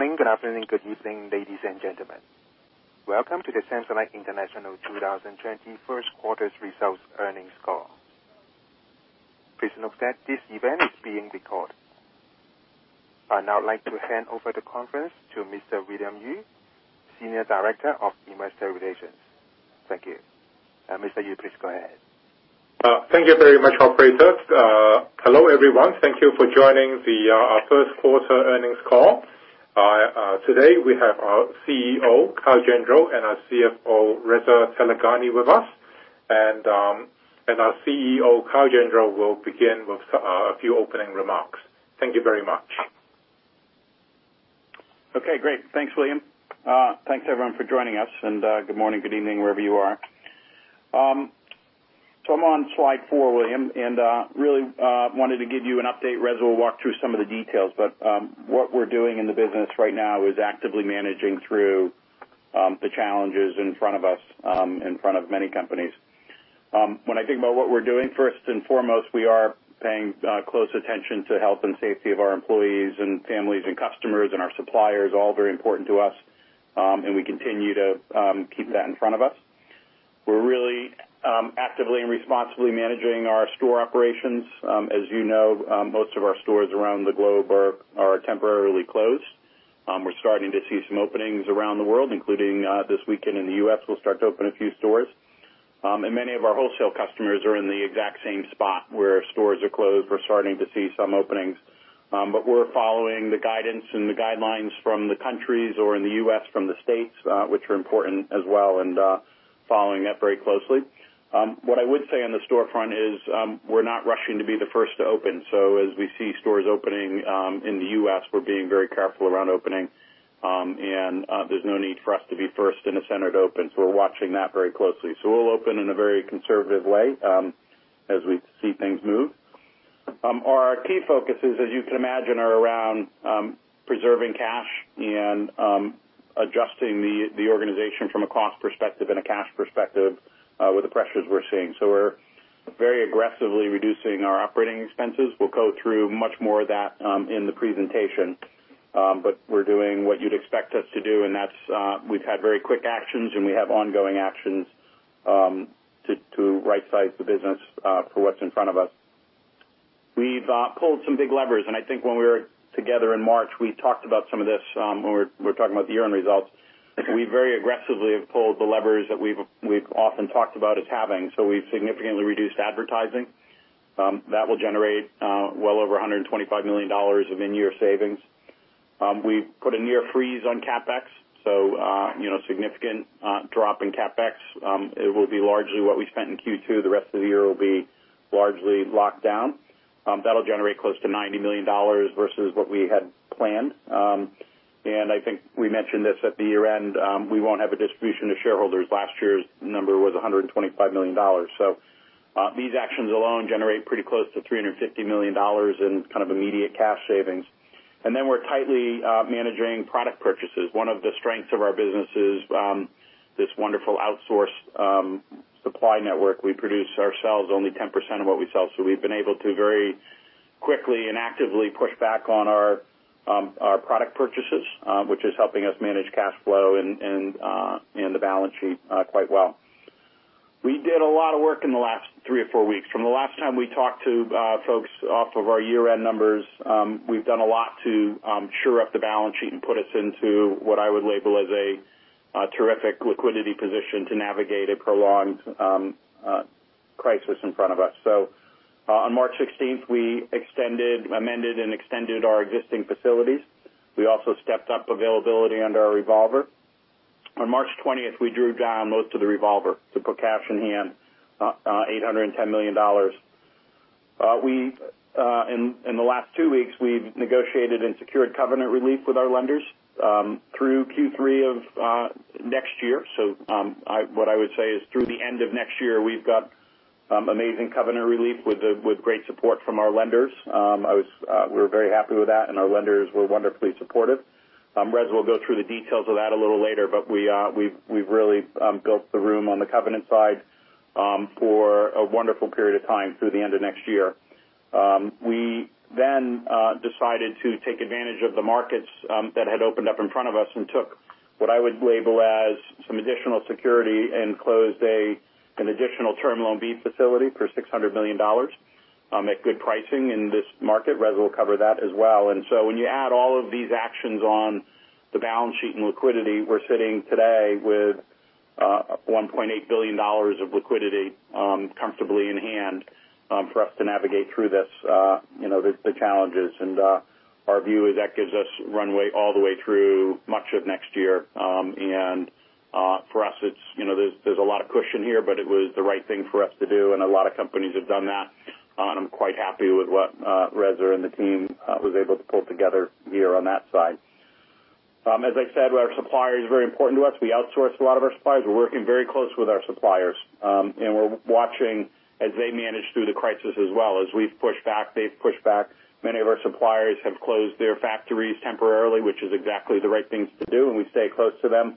Morning, good afternoon, good evening, ladies and gentlemen. Welcome to the Samsonite International 2020 first quarter results earnings call. Please note that this event is being recorded. I'd now like to hand over the conference to Mr. William Yue, Senior Director of Investor Relations. Thank you. Mr. Yue, please go ahead. Thank you very much, operator. Hello, everyone. Thank you for joining our first quarter earnings call. Today we have our CEO, Kyle Gendreau, and our CFO, Reza Taleghani, with us. Our CEO, Kyle Gendreau, will begin with a few opening remarks. Thank you very much. Okay, great. Thanks, William. Thanks, everyone, for joining us, and good morning, good evening, wherever you are. I'm on slide four, William, and really wanted to give you an update. Reza will walk through some of the details. What we're doing in the business right now is actively managing through the challenges in front of us, in front of many companies. When I think about what we're doing, first and foremost, we are paying close attention to health and safety of our employees and families and customers and our suppliers, all very important to us, and we continue to keep that in front of us. We're really actively and responsibly managing our store operations. As you know, most of our stores around the globe are temporarily closed. We're starting to see some openings around the world, including this weekend in the U.S., we'll start to open a few stores. Many of our wholesale customers are in the exact same spot, where stores are closed. We're starting to see some openings. We're following the guidance and the guidelines from the countries or in the U.S. from the states, which are important as well and following that very closely. What I would say on the storefront is, we're not rushing to be the first to open. As we see stores opening in the U.S., we're being very careful around opening. There's no need for us to be first in the center to open, so we're watching that very closely. We'll open in a very conservative way as we see things move. Our key focuses, as you can imagine, are around preserving cash and adjusting the organization from a cost perspective and a cash perspective with the pressures we're seeing. We're very aggressively reducing our operating expenses. We'll go through much more of that in the presentation. We're doing what you'd expect us to do, and that's we've had very quick actions, and we have ongoing actions to right size the business for what's in front of us. We've pulled some big levers, and I think when we were together in March, we talked about some of this when we were talking about the year-end results. Okay. We very aggressively have pulled the levers that we've often talked about as having. We've significantly reduced advertising. That will generate well over $125 million of in-year savings. We put a near freeze on CapEx, significant drop in CapEx. It will be largely what we spent in Q1. The rest of the year will be largely locked down. That'll generate close to $90 million versus what we had planned. I think we mentioned this at the year-end, we won't have a distribution to shareholders. Last year's number was $125 million. These actions alone generate pretty close to $350 million in immediate cash savings. We're tightly managing product purchases. One of the strengths of our business is this wonderful outsourced supply network. We produce ourselves only 10% of what we sell, so we've been able to very quickly and actively push back on our product purchases, which is helping us manage cash flow and the balance sheet quite well. We did a lot of work in the last three or four weeks. From the last time we talked to folks off of our year-end numbers, we've done a lot to shore up the balance sheet and put us into what I would label as a terrific liquidity position to navigate a prolonged crisis in front of us. On March 16th, we amended and extended our existing facilities. We also stepped up availability under our revolver. On March 20th, we drew down most of the revolver to put cash in hand, $810 million. In the last two weeks, we've negotiated and secured covenant relief with our lenders through Q3 of next year. What I would say is through the end of next year, we've got amazing covenant relief with great support from our lenders. We're very happy with that, and our lenders were wonderfully supportive. Reza will go through the details of that a little later, but we've really built the room on the covenant side for a wonderful period of time through the end of next year. We then decided to take advantage of the markets that had opened up in front of us and took what I would label as some additional security and closed an additional Term Loan B facility for $600 million at good pricing in this market. Reza will cover that as well. When you add all of these actions on the balance sheet and liquidity, we're sitting today with $1.8 billion of liquidity comfortably in hand for us to navigate through the challenges. Our view is that gives us runway all the way through much of next year. For us, there's a lot of cushion here, but it was the right thing for us to do, and a lot of companies have done that. I'm quite happy with what Reza and the team was able to pull together here on that side. As I said, our supplier is very important to us. We outsource a lot of our suppliers. We're working very close with our suppliers, and we're watching as they manage through the crisis as well. As we've pushed back, they've pushed back. Many of our suppliers have closed their factories temporarily, which is exactly the right things to do, and we stay close to them.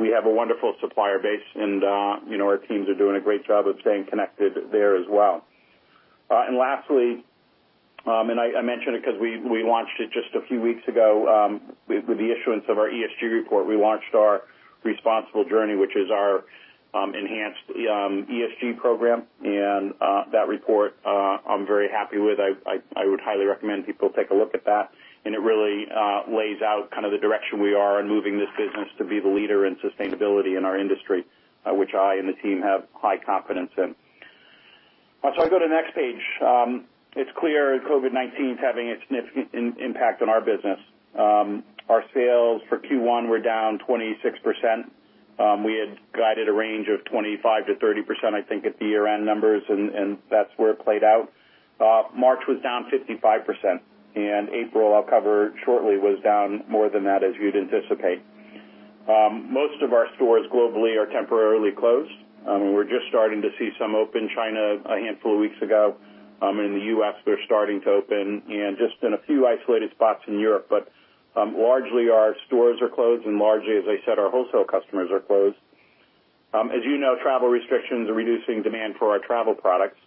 We have a wonderful supplier base, and our teams are doing a great job of staying connected there as well. Lastly, and I mention it because we launched it just a few weeks ago with the issuance of our ESG report. We launched Our Responsible Journey, which is our enhanced ESG program. That report, I'm very happy with. I would highly recommend people take a look at that. It really lays out the direction we are in moving this business to be the leader in sustainability in our industry, which I and the team have high confidence in. I go to the next page. It's clear COVID-19's having a significant impact on our business. Our sales for Q1 were down 26%. We had guided a range of 25%-30%, I think, at the year-end numbers, and that's where it played out. March was down 55%, and April, I'll cover shortly, was down more than that, as you'd anticipate. Most of our stores globally are temporarily closed. We're just starting to see some open China a handful of weeks ago. In the U.S., they're starting to open, and just in a few isolated spots in Europe. Largely, our stores are closed, and largely, as I said, our wholesale customers are closed. As you know, travel restrictions are reducing demand for our travel products.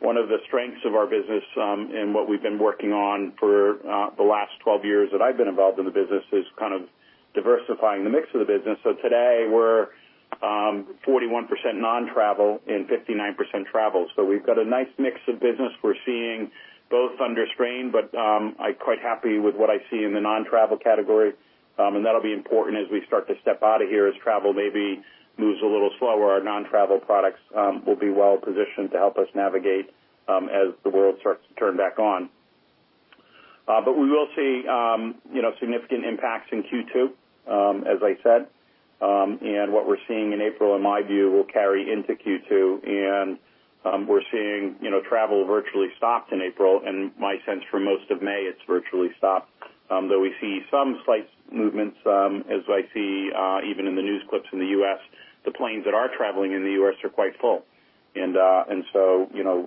One of the strengths of our business and what we've been working on for the last 12 years that I've been involved in the business is kind of diversifying the mix of the business. Today, we're 41% non-travel and 59% travel. We've got a nice mix of business we're seeing both under strain, but I'm quite happy with what I see in the non-travel category. That'll be important as we start to step out of here, as travel maybe moves a little slower, our non-travel products will be well-positioned to help us navigate as the world starts to turn back on. We will see significant impacts in Q2, as I said. What we're seeing in April, in my view, will carry into Q2. We're seeing travel virtually stopped in April, and my sense for most of May, it's virtually stopped. Though we see some slight movements, as I see even in the news clips in the U.S., the planes that are traveling in the U.S. are quite full.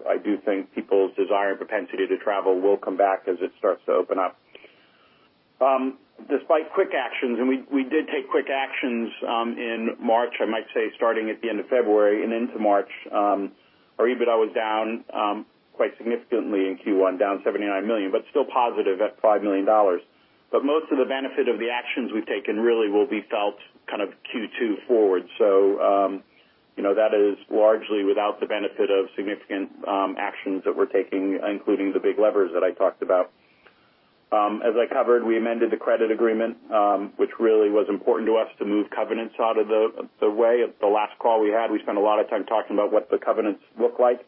I do think people's desire and propensity to travel will come back as it starts to open up. Despite quick actions, and we did take quick actions in March, I might say starting at the end of February and into March. Our EBITDA was down quite significantly in Q1, down $79 million, but still positive at $5 million. Most of the benefit of the actions we've taken really will be felt Q2 forward. That is largely without the benefit of significant actions that we're taking, including the big levers that I talked about. As I covered, we amended the credit agreement which really was important to us to move covenants out of the way. At the last call we had, we spent a lot of time talking about what the covenants look like.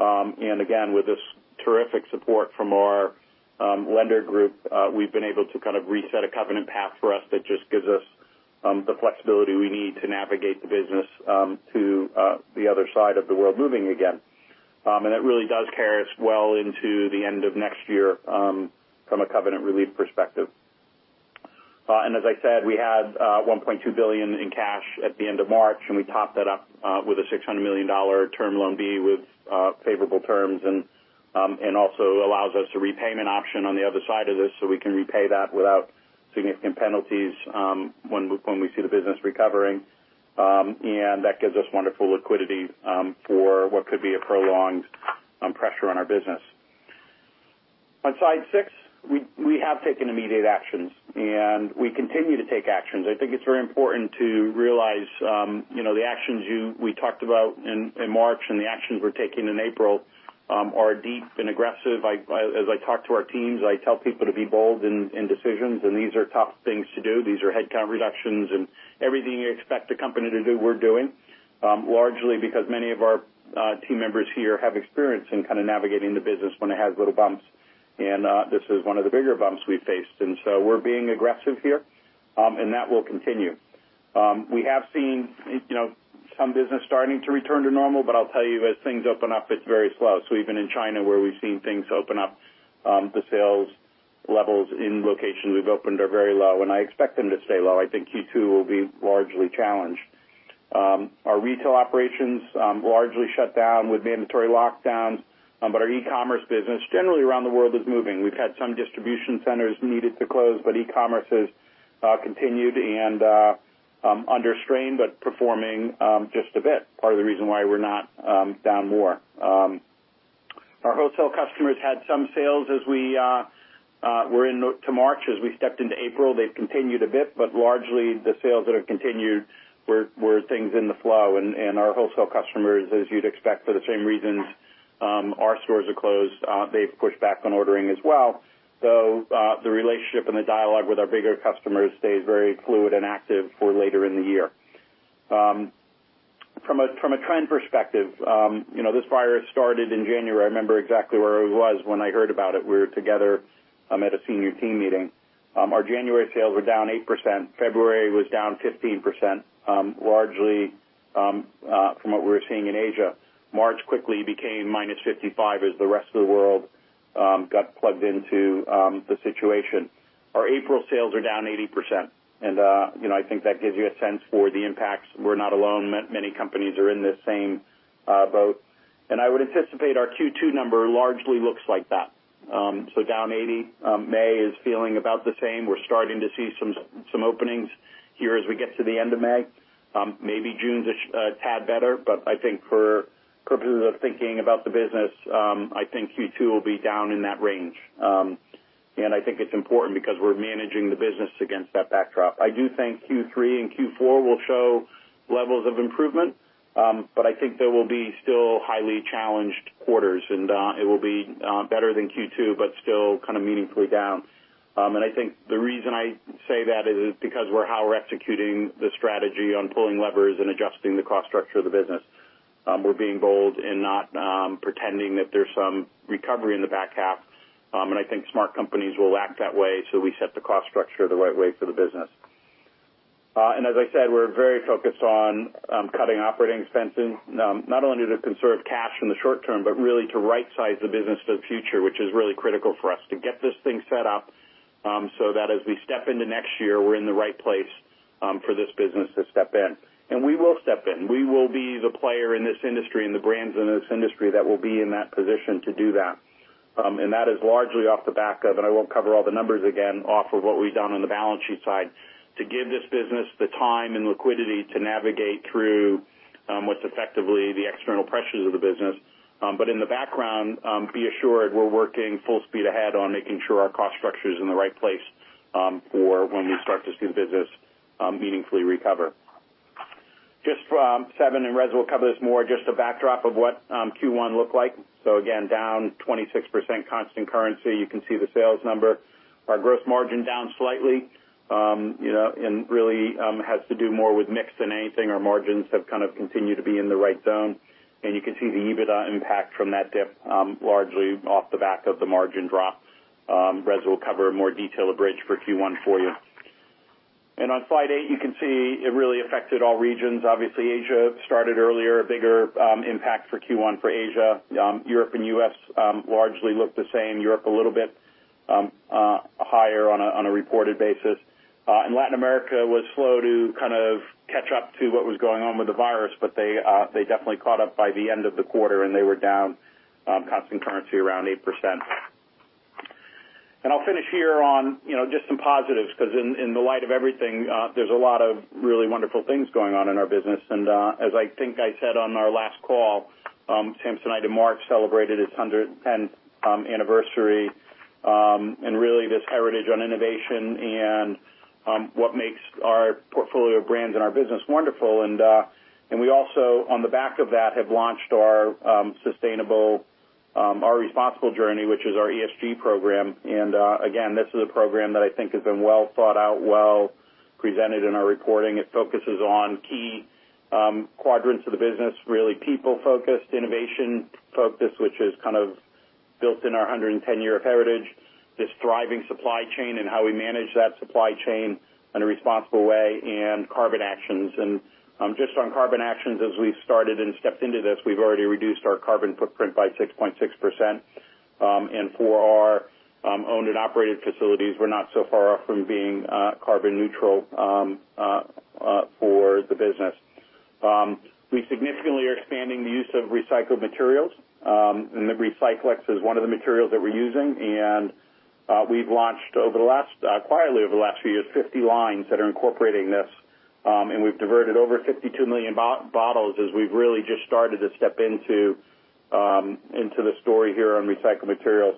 Again, with this terrific support from our lender group, we've been able to reset a covenant path for us that just gives us the flexibility we need to navigate the business to the other side of the world moving again. That really does carry us well into the end of next year from a covenant relief perspective. As I said, we had $1.2 billion in cash at the end of March, and we topped that up with a $600 million Term Loan B with favorable terms and also allows us a repayment option on the other side of this so we can repay that without significant penalties when we see the business recovering. That gives us wonderful liquidity for what could be a prolonged pressure on our business. On slide six, we have taken immediate actions and we continue to take actions. I think it's very important to realize the actions we talked about in March and the actions we're taking in April are deep and aggressive. As I talk to our teams, I tell people to be bold in decisions, and these are tough things to do. These are headcount reductions and everything you expect a company to do, we're doing. Largely because many of our team members here have experience in navigating the business when it has little bumps. This is one of the bigger bumps we've faced. We're being aggressive here and that will continue. We have seen some business starting to return to normal, but I'll tell you, as things open up, it's very slow. Even in China where we've seen things open up, the sales levels in locations we've opened are very low, and I expect them to stay low. I think Q2 will be largely challenged. Our retail operations largely shut down with mandatory lockdowns. Our e-commerce business generally around the world is moving. We've had some distribution centers needed to close, but e-commerce has continued and under strain, but performing just a bit. Part of the reason why we're not down more. Our wholesale customers had some sales as we were into March. As we stepped into April, they've continued a bit, but largely the sales that have continued were things in the flow. Our wholesale customers, as you'd expect for the same reasons our stores are closed, they've pushed back on ordering as well, though the relationship and the dialogue with our bigger customers stays very fluid and active for later in the year. From a trend perspective, this virus started in January. I remember exactly where I was when I heard about it. We were together at a senior team meeting. Our January sales were down 8%. February was down 15%, largely from what we were seeing in Asia. March quickly became -55% as the rest of the world got plugged into the situation. Our April sales are down 80%, and I think that gives you a sense for the impacts. We're not alone. Many companies are in this same boat. I would anticipate our Q2 number largely looks like that. Down 80%. May is feeling about the same. We're starting to see some openings here as we get to the end of May. Maybe June is a tad better, but I think for purposes of thinking about the business, I think Q2 will be down in that range. I think it's important because we're managing the business against that backdrop. I do think Q3 and Q4 will show levels of improvement, but I think they will be still highly challenged quarters, and it will be better than Q2, but still kind of meaningfully down. I think the reason I say that is because how we're executing the strategy on pulling levers and adjusting the cost structure of the business. We're being bold and not pretending that there's some recovery in the back half. I think smart companies will act that way, so we set the cost structure the right way for the business. As I said, we're very focused on cutting operating expenses, not only to conserve cash in the short term, but really to rightsize the business for the future, which is really critical for us to get this thing set up. That as we step into next year, we're in the right place for this business to step in. We will step in. We will be the player in this industry and the brands in this industry that will be in that position to do that. That is largely off the back of, and I won't cover all the numbers again, off of what we've done on the balance sheet side to give this business the time and liquidity to navigate through what's effectively the external pressures of the business. In the background, be assured we're working full speed ahead on making sure our cost structure is in the right place for when we start to see the business meaningfully recover. Slide seven, Reza will cover this more, just a backdrop of what Q1 looked like. Again, down 26% constant currency. You can see the sales number. Our gross margin down slightly, really has to do more with mix than anything. Our margins have kind of continued to be in the right zone. You can see the EBITDA impact from that dip, largely off the back of the margin drop. Reza will cover in more detail the bridge for Q1 for you. On slide eight, you can see it really affected all regions. Obviously, Asia started earlier, a bigger impact for Q1 for Asia. Europe and U.S. largely look the same. Europe a little bit higher on a reported basis. Latin America was slow to kind of catch up to what was going on with the virus, but they definitely caught up by the end of the quarter, and they were down constant currency around 8%. I'll finish here on just some positives, because in the light of everything, there's a lot of really wonderful things going on in our business. As I think I said on our last call, Samsonite [and Mark] celebrated its 110th anniversary, and really this heritage on innovation and what makes our portfolio of brands and our business wonderful. We also, on the back of that, have launched Our Responsible Journey, which is our ESG program. Again, this is a program that I think has been well thought out, well presented in our reporting. It focuses on key quadrants of the business, really people-focused, innovation-focused, which is kind of built in our 110-year heritage, this thriving supply chain and how we manage that supply chain in a responsible way, and carbon actions. Just on carbon actions, as we've started and stepped into this, we've already reduced our carbon footprint by 6.6%. For our owned and operated facilities, we're not so far off from being carbon neutral for the business. We significantly are expanding the use of recycled materials. Recyclex is one of the materials that we're using. We've launched quietly over the last few years, 50 lines that are incorporating this, and we've diverted over 52 million bottles as we've really just started to step into the story here on recycled materials.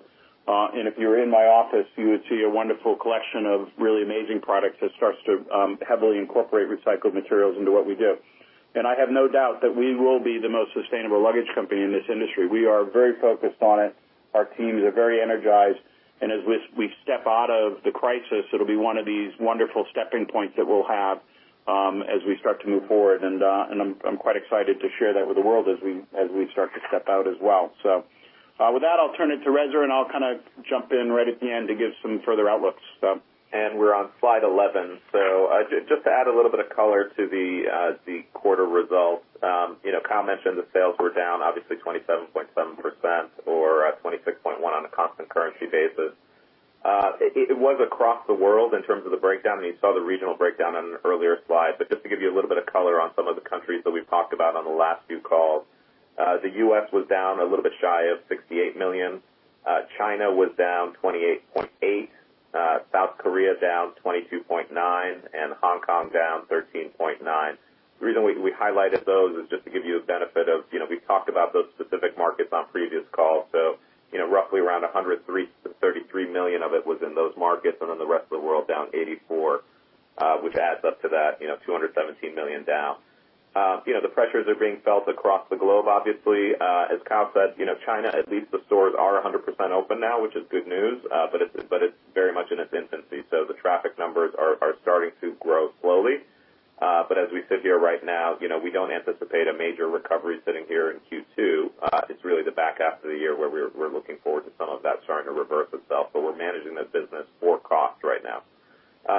If you were in my office, you would see a wonderful collection of really amazing products that starts to heavily incorporate recycled materials into what we do. I have no doubt that we will be the most sustainable luggage company in this industry. We are very focused on it. Our teams are very energized. As we step out of the crisis, it'll be one of these wonderful stepping points that we'll have as we start to move forward. I'm quite excited to share that with the world as we start to step out as well. With that, I'll turn it to Reza, and I'll kind of jump in right at the end to give some further outlook stuff. We're on slide 11. Just to add a little bit of color to the quarter results. Kyle mentioned the sales were down obviously 27.7% or 26.1% on a constant currency basis. It was across the world in terms of the breakdown, and you saw the regional breakdown on an earlier slide. Just to give you a little bit of color on some of the countries that we've talked about on the last few calls. The U.S. was down a little bit shy of $68 million. China was down 28.8%. South Korea down 22.9%, and Hong Kong down 13.9%. The reason we highlighted those is just to give you the benefit of, we've talked about those specific markets on previous calls, so roughly around $133 million of it was in those markets, and then the rest of the world down $84, which adds up to that $217 million down. The pressures are being felt across the globe, obviously. As Kyle said, China, at least the stores are 100% open now, which is good news. It's very much in its infancy, so the traffic numbers are starting to grow slowly. As we sit here right now, we don't anticipate a major recovery sitting here in Q2. It's really the back half of the year where we're looking forward to some of that starting to reverse itself, but we're managing this business for cost right now.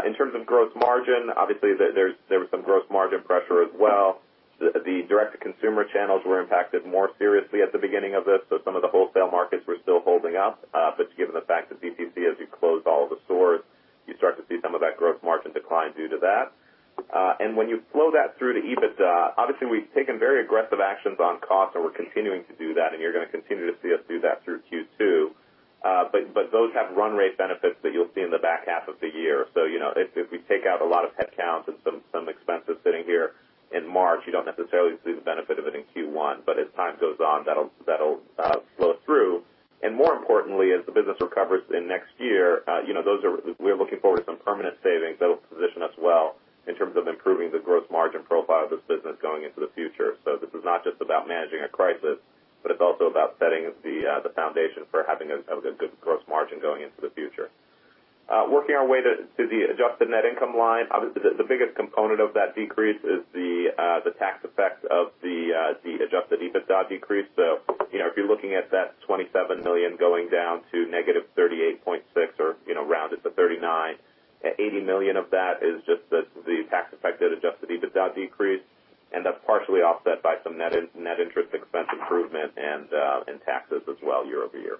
In terms of gross margin, obviously there was some gross margin pressure as well. The direct-to-consumer channels were impacted more seriously at the beginning of this, so some of the wholesale markets were still holding up. Given the fact that DTC, as you closed all of the stores, you start to see some of that gross margin decline due to that. When you flow that through to EBITDA, obviously, we've taken very aggressive actions on cost, and we're continuing to do that, and you're going to continue to see us do that through Q2. Those have run rate benefits that you'll see in the back half of the year. If we take out a lot of headcounts and some expenses sitting here in March, you don't necessarily see the benefit of it in Q1. As time goes on, that'll flow through. More importantly, as the business recovers in next year, we're looking forward to some permanent savings that'll position us well in terms of improving the gross margin profile of this business going into the future. This is not just about managing a crisis, but it's also about setting the foundation for having a good gross margin going into the future. Working our way to the adjusted net income line. The biggest component of that decrease is the tax effect of the adjusted EBITDA decrease. If you're looking at that $27 million going down to negative $38.6 or rounded to $39, $80 million of that is just the tax effect of the adjusted EBITDA decrease, and that's partially offset by some net interest expense improvement and taxes as well year-over-year.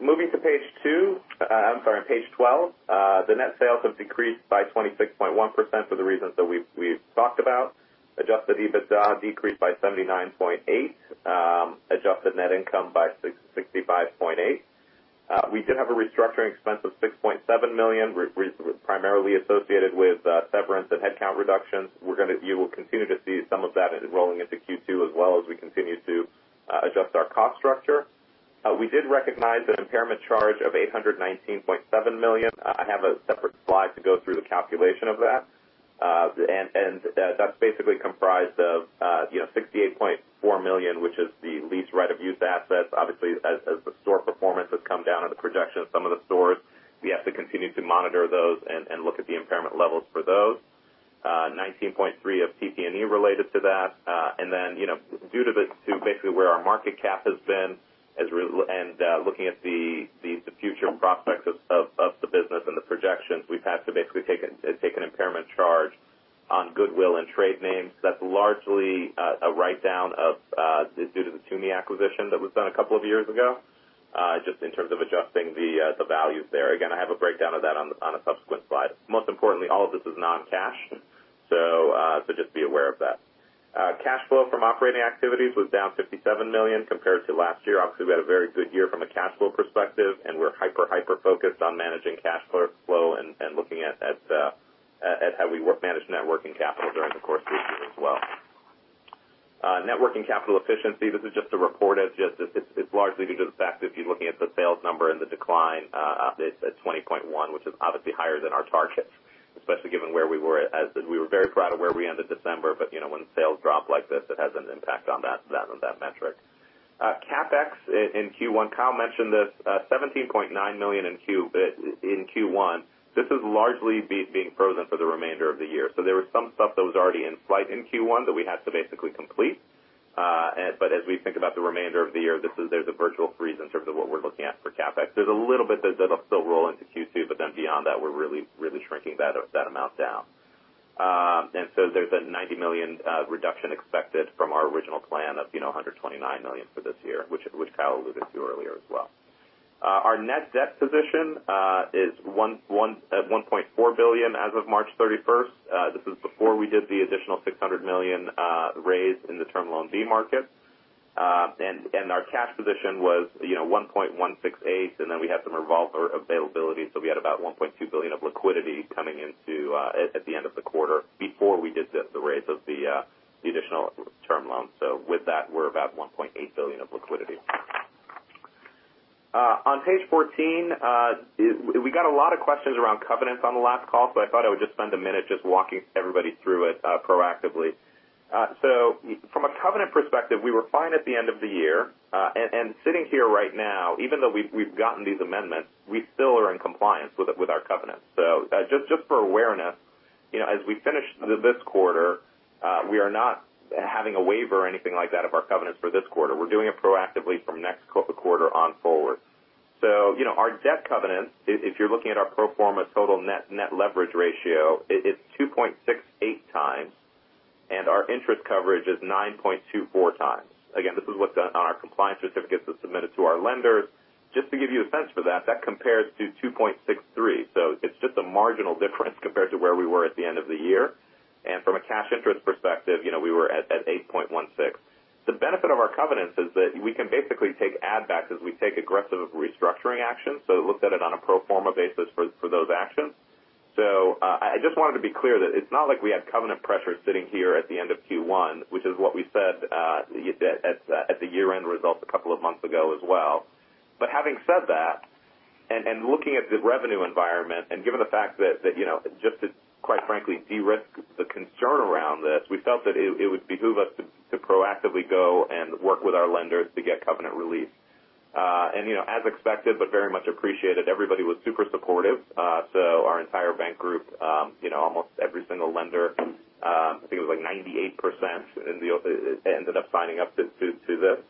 Moving to page 2. I'm sorry, page 12. The net sales have decreased by 26.1% for the reasons that we've talked about. Adjusted EBITDA decreased by 79.8%. Adjusted net income by 65.8%. We did have a restructuring expense of $6.7 million, primarily associated with severance and headcount reductions. You will continue to see some of that rolling into Q2 as well as we continue to adjust our cost structure. We did recognize an impairment charge of $819.7 million. I have a separate slide to go through the calculation of that. That's basically comprised of $68.4 million, which is the lease right-of-use assets. Obviously, as the store performance has come down and the projection of some of the stores, we have to continue to monitor those and look at the impairment levels for those. $19.3 million of PP&E related to that. Then, due to basically where our market cap has been and looking at the future prospects of the business and the projections, we've had to basically take an impairment charge on goodwill and trade names. That's largely a write-down due to the Tumi acquisition that was done a couple of years ago, just in terms of adjusting the values there. Again, I have a breakdown of that on a subsequent slide. Most importantly, all of this is non-cash, so just be aware of that. Cash flow from operating activities was down $57 million compared to last year. Obviously, we had a very good year from a cash flow perspective, and we're hyper focused on managing cash flow and looking at how we manage net working capital during the course of the year as well. Net working capital efficiency, this is just a report. It's largely due to the fact that if you're looking at the sales number and the decline, it's at 20.1%, which is obviously higher than our targets, especially given where we were. We were very proud of where we ended December. When sales drop like this, it has an impact on that metric. CapEx in Q1, Kyle mentioned this, $17.9 million in Q1. This is largely being frozen for the remainder of the year. There was some stuff that was already in flight in Q1 that we had to basically complete. As we think about the remainder of the year, there's a virtual freeze in terms of what we're looking at for CapEx. There's a little bit that'll still roll into Q2. Beyond that, we're really shrinking that amount down. There's a $90 million reduction expected from our original plan of $129 million for this year, which Kyle alluded to earlier as well. Our net debt position is at $1.4 billion as of March 31st. This is before we did the additional $600 million raised in the Term Loan B market. Our cash position was $1.168, and then we had some revolver availability, so we had about $1.2 billion of liquidity coming in at the end of the quarter before we did the raise of the additional term loan. With that, we're about $1.8 billion of liquidity. On page 14, we got a lot of questions around covenants on the last call, so I thought I would just spend a minute just walking everybody through it proactively. From a covenant perspective, we were fine at the end of the year. Sitting here right now, even though we've gotten these amendments, we still are in compliance with our covenants. Just for awareness, as we finish this quarter, we are not having a waiver or anything like that of our covenants for this quarter. We're doing it proactively from next quarter on forward. Our debt covenant, if you're looking at our pro forma total net leverage ratio, it's 2.68 times, and our interest coverage is 9.24 times. Again, this is what's on our compliance certificates that's submitted to our lenders. Just to give you a sense for that compares to 2.63. It's just a marginal difference compared to where we were at the end of the year. From a cash interest perspective, we were at 8.16. The benefit of our covenants is that we can basically take add backs as we take aggressive restructuring actions. It looks at it on a pro forma basis for those actions. I just wanted to be clear that it's not like we had covenant pressure sitting here at the end of Q1, which is what we said at the year-end results a couple of months ago as well. Having said that, and looking at the revenue environment and given the fact that just to, quite frankly, de-risk the concern around this, we felt that it would behoove us to proactively go and work with our lenders to get covenant relief. As expected, but very much appreciated, everybody was super supportive. Our entire bank group, almost every single lender, I think it was like 98%, ended up signing up to this.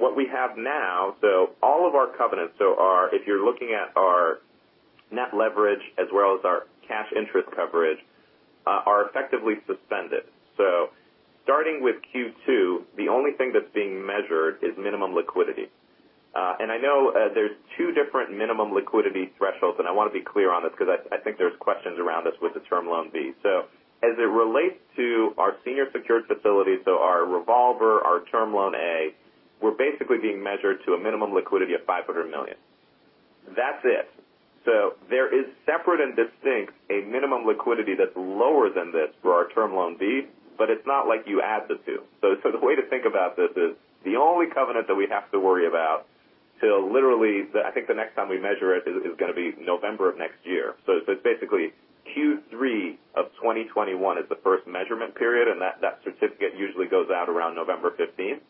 What we have now, all of our covenants, if you're looking at our net leverage as well as our cash interest coverage, are effectively suspended. Starting with Q2, the only thing that's being measured is minimum liquidity. I know there's two different minimum liquidity thresholds, and I want to be clear on this because I think there's questions around this with the Term Loan B. As it relates to our senior secured facilities, our revolver, our Term Loan A, we're basically being measured to a minimum liquidity of $500 million. That's it. There is separate and distinct, a minimum liquidity that's lower than this for our Term Loan B, but it's not like you add the two. The way to think about this is the only covenant that we have to worry about 'til literally, I think the next time we measure it is going to be November of next year. It's basically Q3 of 2021 is the first measurement period, and that certificate usually goes out around November 15th.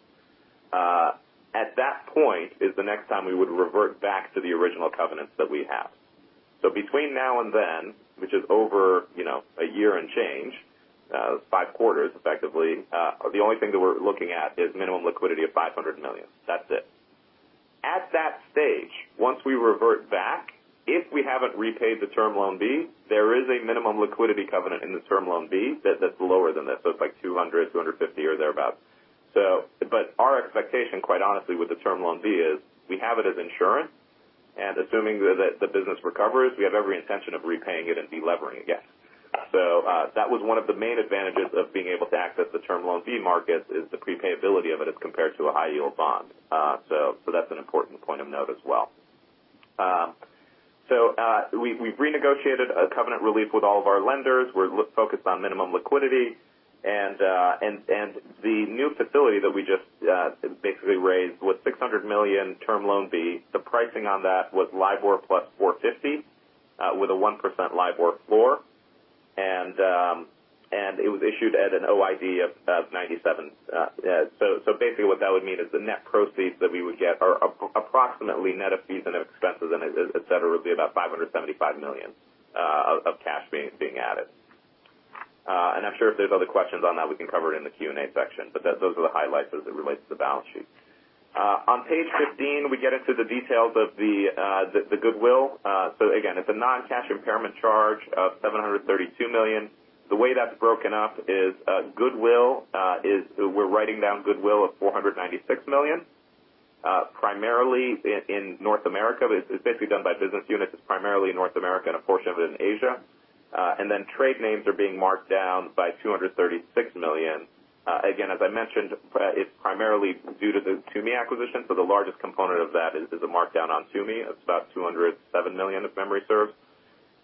At that point is the next time we would revert back to the original covenants that we have. Between now and then, which is over a year and change, five quarters effectively, the only thing that we're looking at is minimum liquidity of $500 million. That's it. At that stage, once we revert back, if we haven't repaid the Term Loan B, there is a minimum liquidity covenant in the Term Loan B that's lower than this, so it's like $200 million, $250 million or thereabout. Our expectation, quite honestly, with the Term Loan B is we have it as insurance, and assuming that the business recovers, we have every intention of repaying it and de-levering again. That was one of the main advantages of being able to access the Term Loan B market is the prepayability of it as compared to a high yield bond. That's an important point of note as well. We've renegotiated a covenant relief with all of our lenders. We're focused on minimum liquidity and the new facility that we just basically raised was $600 million Term Loan B. The pricing on that was LIBOR plus 450 with a 1% LIBOR floor. It was issued at an OID of 97. Basically, what that would mean is the net proceeds that we would get are approximately net of fees and expenses et cetera, would be about $575 million of cash being added. I'm sure if there's other questions on that, we can cover it in the Q&A section, but those are the highlights as it relates to the balance sheet. On page 15, we get into the details of the goodwill. Again, it's a non-cash impairment charge of $732 million. The way that's broken up is goodwill, we're writing down goodwill of $496 million, primarily in North America. It's basically done by business units. It's primarily in North America and a portion of it in Asia. Trade names are being marked down by $236 million. Again, as I mentioned, it's primarily due to the Tumi acquisition. The largest component of that is the markdown on Tumi of about $207 million, if memory serves.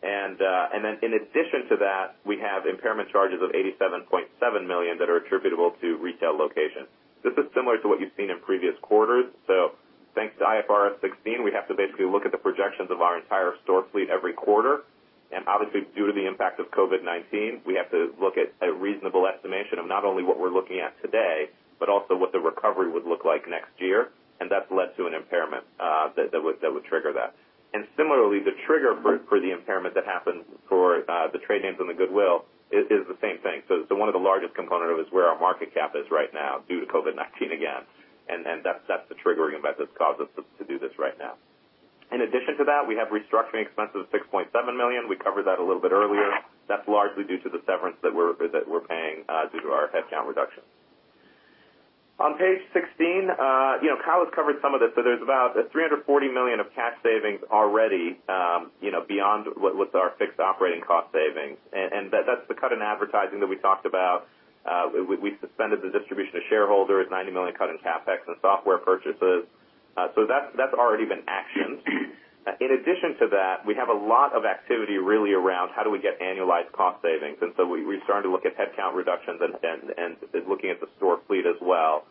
In addition to that, we have impairment charges of $87.7 million that are attributable to retail locations. This is similar to what you've seen in previous quarters. Thanks to IFRS 16, we have to basically look at the projections of our entire store fleet every quarter. Obviously, due to the impact of COVID-19, we have to look at a reasonable estimation of not only what we're looking at today, but also what the recovery would look like next year. That's led to an impairment that would trigger that. Similarly, the trigger for the impairment that happened for the trade names on the goodwill is the same thing. One of the largest component of it is where our market cap is right now due to COVID-19 again, and that's the triggering event that's caused us to do this right now. In addition to that, we have restructuring expenses of $6.7 million. We covered that a little bit earlier. That's largely due to the severance that we're paying due to our headcount reduction. On page 16, Kyle has covered some of this. There's about $340 million of cash savings already beyond what's our fixed operating cost savings. That's the cut in advertising that we talked about. We suspended the distribution to shareholders, $90 million cut in CapEx and software purchases. That's already been actioned. In addition to that, we have a lot of activity really around how do we get annualized cost savings. We're starting to look at headcount reductions and looking at the store fleet as well.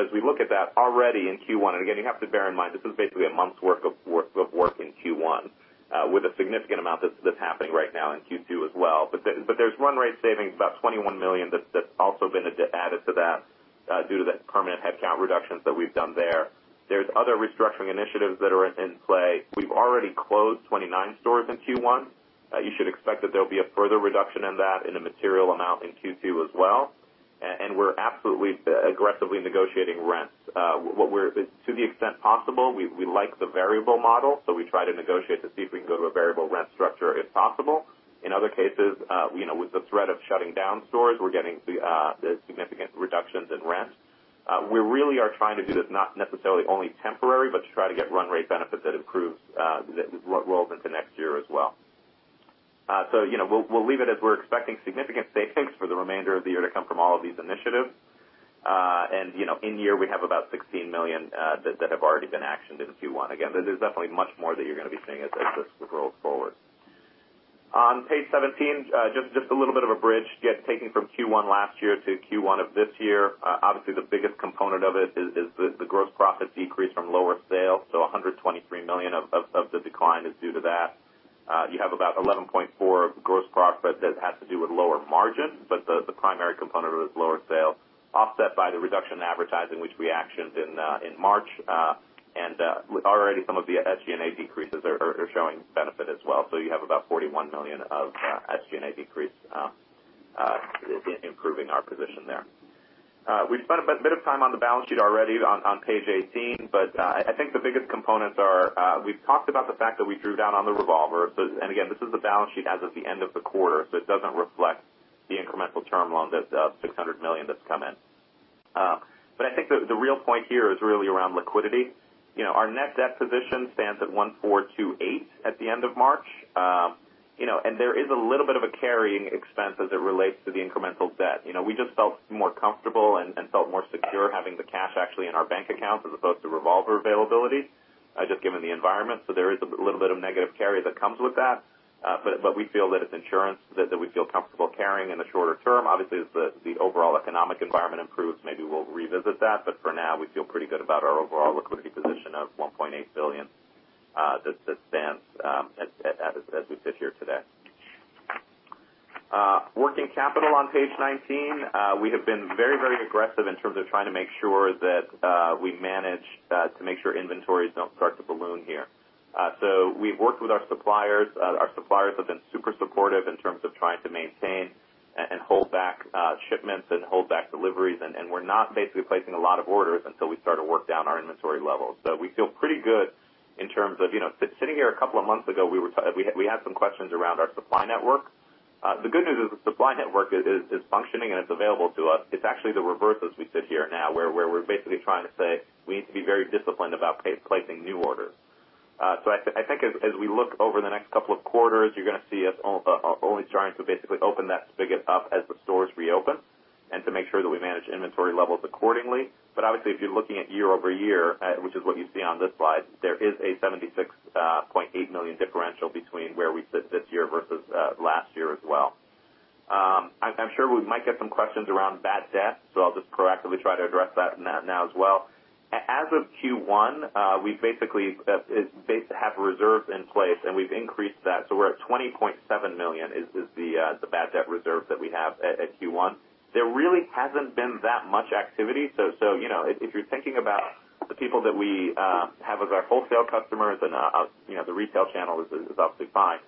As we look at that already in Q1, and again, you have to bear in mind, this is basically a month's worth of work in Q1 with a significant amount that's happening right now in Q2 as well. There's run rate savings of about $21 million that's also been added to that due to the permanent headcount reductions that we've done there. There's other restructuring initiatives that are in play. We've already closed 29 stores in Q1. You should expect that there'll be a further reduction in that in a material amount in Q2 as well. We're absolutely aggressively negotiating rents. To the extent possible, we like the variable model, so we try to negotiate to see if we can go to a variable rent structure if possible. In other cases, with the threat of shutting down stores, we're getting significant reductions in rent. We really are trying to do this, not necessarily only temporary, but to try to get run rate benefits that roll into next year as well. We'll leave it as we're expecting significant savings for the remainder of the year to come from all of these initiatives. In year, we have about $16 million that have already been actioned in Q1. Again, there's definitely much more that you're going to be seeing as this rolls forward. On page 17, just a little bit of a bridge, taking from Q1 last year to Q1 of this year. Obviously, the biggest component of it is the gross margin decrease from lower sales. $123 million of the decline is due to that. You have about 11.4 of gross margin that has to do with lower margin, but the primary component of it is lower sales offset by the reduction in advertising, which we actioned in March. Already some of the SG&A decreases are showing benefit as well. You have about $41 million of SG&A decrease improving our position there. We've spent a bit of time on the balance sheet already on page 18, but I think the biggest components are, we've talked about the fact that we drew down on the revolver. Again, this is the balance sheet as of the end of the quarter, so it doesn't reflect the incremental Term Loan, that $600 million that's come in. I think the real point here is really around liquidity. Our net debt position stands at $1.428 billion at the end of March. There is a little bit of a carrying expense as it relates to the incremental debt. We just felt more comfortable and felt more secure having the cash actually in our bank accounts as opposed to revolver availability, just given the environment. There is a little bit of negative carry that comes with that. We feel that it's insurance that we feel comfortable carrying in the shorter term. As the overall economic environment improves, maybe we'll revisit that. For now, we feel pretty good about our overall liquidity position of $1.8 billion that stands as we sit here today. Working capital on page 19. We have been very aggressive in terms of trying to make sure that we manage to make sure inventories don't start to balloon here. We've worked with our suppliers. Our suppliers have been super supportive in terms of trying to maintain and hold back shipments and hold back deliveries. We're not basically placing a lot of orders until we start to work down our inventory levels. We feel pretty good. Sitting here a couple of months ago, we had some questions around our supply network. The good news is the supply network is functioning, and it's available to us. It's actually the reverse as we sit here now, where we're basically trying to say we need to be very disciplined about placing new orders. I think as we look over the next couple of quarters, you're going to see us only trying to basically open that spigot up as the stores reopen and to make sure that we manage inventory levels accordingly. Obviously, if you're looking at year-over-year, which is what you see on this slide, there is a $76.8 million differential between where we sit this year versus last year as well. I'm sure we might get some questions around bad debt, so I'll just proactively try to address that now as well. As of Q1, we basically have reserves in place, and we've increased that, so we're at $20.7 million is the bad debt reserve that we have at Q1. There really hasn't been that much activity. If you're thinking about the people that we have as our wholesale customers, and the retail channel is obviously fine.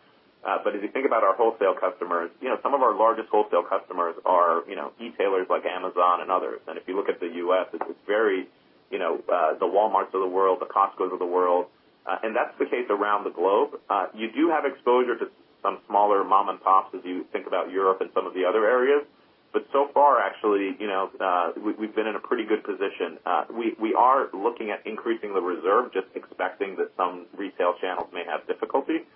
If you think about our wholesale customers, some of our largest wholesale customers are retailers like Amazon and others. If you look at the U.S., it's very the Walmart of the world, the Costco of the world. That's the case around the globe. You do have exposure to some smaller mom and pops as you think about Europe and some of the other areas. So far, actually, we've been in a pretty good position. We are looking at increasing the reserve, just expecting that some retail channels may have difficulty.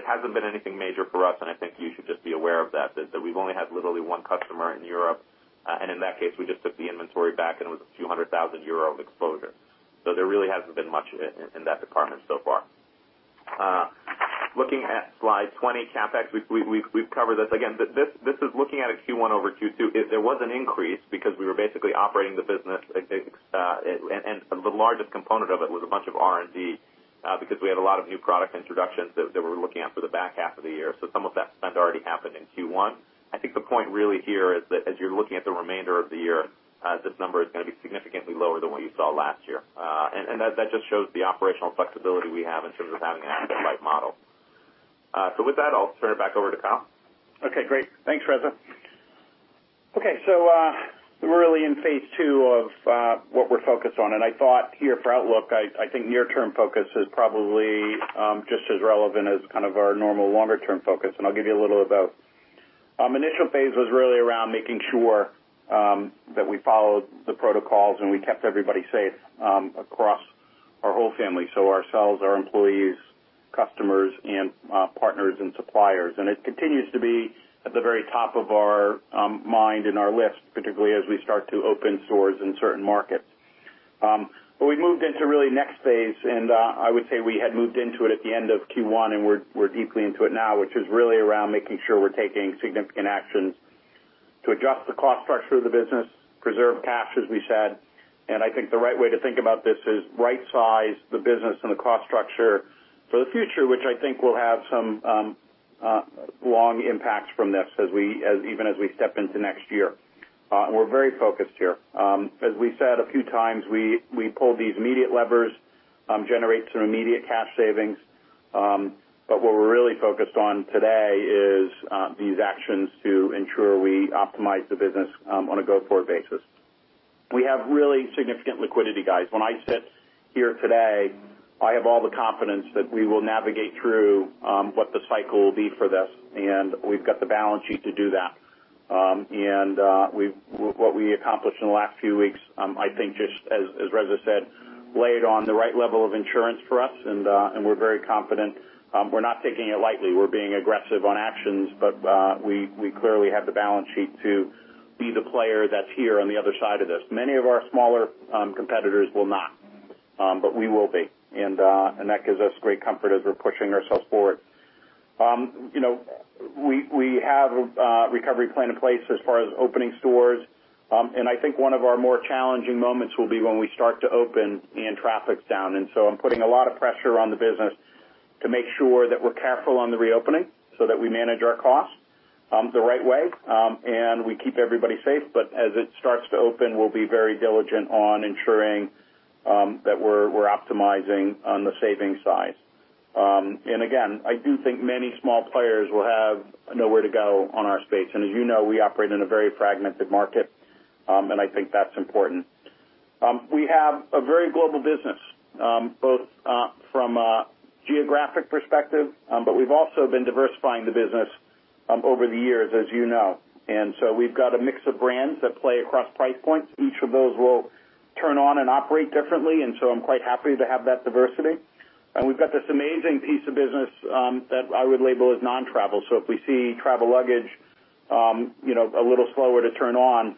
It hasn't been anything major for us, and I think you should just be aware of that we've only had literally one customer in Europe. In that case, we just took the inventory back, and it was a few hundred thousand EUR of exposure. There really hasn't been much in that department so far. Looking at slide 20, CapEx, we've covered this. Again, this is looking at a Q1 over Q2. There was an increase because we were basically operating the business, and the largest component of it was a bunch of R&D because we had a lot of new product introductions that we were looking at for the back half of the year. Some of that spend already happened in Q1. I think the point really here is that as you're looking at the remainder of the year, this number is going to be significantly lower than what you saw last year. That just shows the operational flexibility we have in terms of having an asset-light model. With that, I'll turn it back over to Kyle. Okay, great. Thanks, Reza. We're really in phase 2 of what we're focused on, and I thought here for outlook, I think near-term focus is probably just as relevant as kind of our normal longer-term focus, and I'll give you a little of both. Initial phase was really around making sure that we followed the protocols and we kept everybody safe across our whole family, so ourselves, our employees, customers, and partners and suppliers. It continues to be at the very top of our mind and our list, particularly as we start to open stores in certain markets. We've moved into really next phase, and I would say we had moved into it at the end of Q1, and we're deeply into it now, which is really around making sure we're taking significant actions to adjust the cost structure of the business, preserve cash, as we said. I think the right way to think about this is rightsize the business and the cost structure for the future, which I think will have some long impacts from this even as we step into next year. We're very focused here. As we said a few times, we pulled these immediate levers, generate some immediate cash savings. What we're really focused on today is these actions to ensure we optimize the business on a go-forward basis. We have really significant liquidity, guys. When I sit here today, I have all the confidence that we will navigate through what the cycle will be for this, and we've got the balance sheet to do that. What we accomplished in the last few weeks, I think just as Reza said, laid on the right level of insurance for us, and we're very confident. We're not taking it lightly. We're being aggressive on actions, but we clearly have the balance sheet to be the player that's here on the other side of this. Many of our smaller competitors will not, but we will be, and that gives us great comfort as we're pushing ourselves forward. We have a recovery plan in place as far as opening stores. I think one of our more challenging moments will be when we start to open and traffic's down. I'm putting a lot of pressure on the business to make sure that we're careful on the reopening so that we manage our costs the right way, and we keep everybody safe. As it starts to open, we'll be very diligent on ensuring that we're optimizing on the saving side. Again, I do think many small players will have nowhere to go on our space. As you know, we operate in a very fragmented market, and I think that's important. We have a very global business, both from a geographic perspective, but we've also been diversifying the business over the years, as you know. We've got a mix of brands that play across price points. Each of those will turn on and operate differently, and so I'm quite happy to have that diversity. We've got this amazing piece of business that I would label as non-travel. If we see travel luggage a little slower to turn on,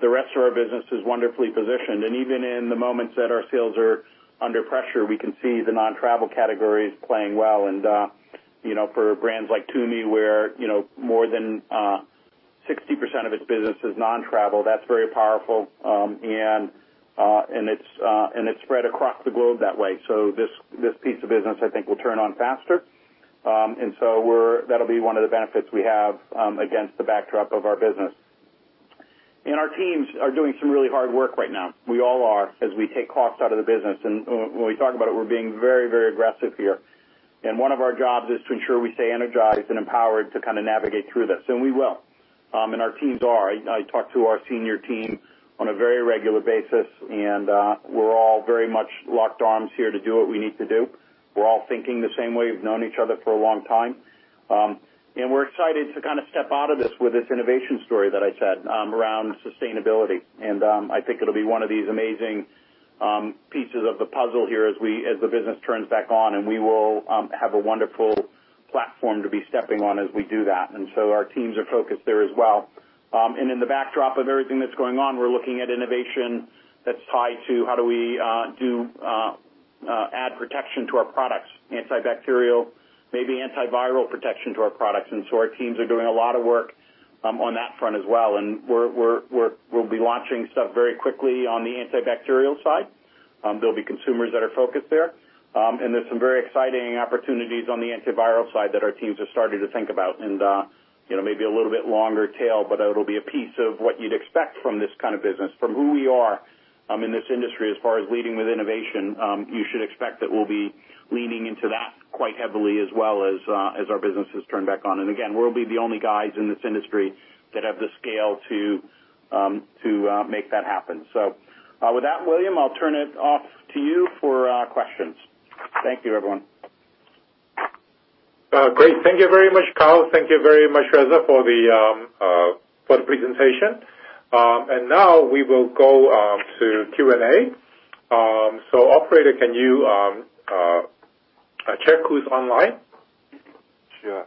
the rest of our business is wonderfully positioned. Even in the moments that our sales are under pressure, we can see the non-travel categories playing well. For brands like Tumi, where more than 60% of its business is non-travel, that's very powerful, and it's spread across the globe that way. This piece of business, I think, will turn on faster. That'll be one of the benefits we have against the backdrop of our business. Our teams are doing some really hard work right now. We all are, as we take costs out of the business. When we talk about it, we're being very aggressive here. One of our jobs is to ensure we stay energized and empowered to navigate through this. We will. Our teams are. I talk to our senior team on a very regular basis, and we're all very much locked arms here to do what we need to do. We're all thinking the same way. We've known each other for a long time. We're excited to step out of this with this innovation story that I said around sustainability. I think it'll be one of these amazing pieces of the puzzle here as the business turns back on, and we will have a wonderful platform to be stepping on as we do that. Our teams are focused there as well. In the backdrop of everything that's going on, we're looking at innovation that's tied to how do we add protection to our products, antibacterial, maybe antiviral protection to our products. Our teams are doing a lot of work on that front as well. We'll be launching stuff very quickly on the antibacterial side. There'll be consumers that are focused there. There's some very exciting opportunities on the antiviral side that our teams are starting to think about. Maybe a little bit longer tail, but it'll be a piece of what you'd expect from this kind of business. From who we are in this industry as far as leading with innovation, you should expect that we'll be leaning into that quite heavily as well as our businesses turn back on. Again, we'll be the only guys in this industry that have the scale to make that happen. With that, William, I'll turn it over to you for questions. Thank you, everyone. Great. Thank you very much, Kyle. Thank you very much, Reza, for the presentation. Now we will go to Q&A. Operator, can you check who's online? Sure.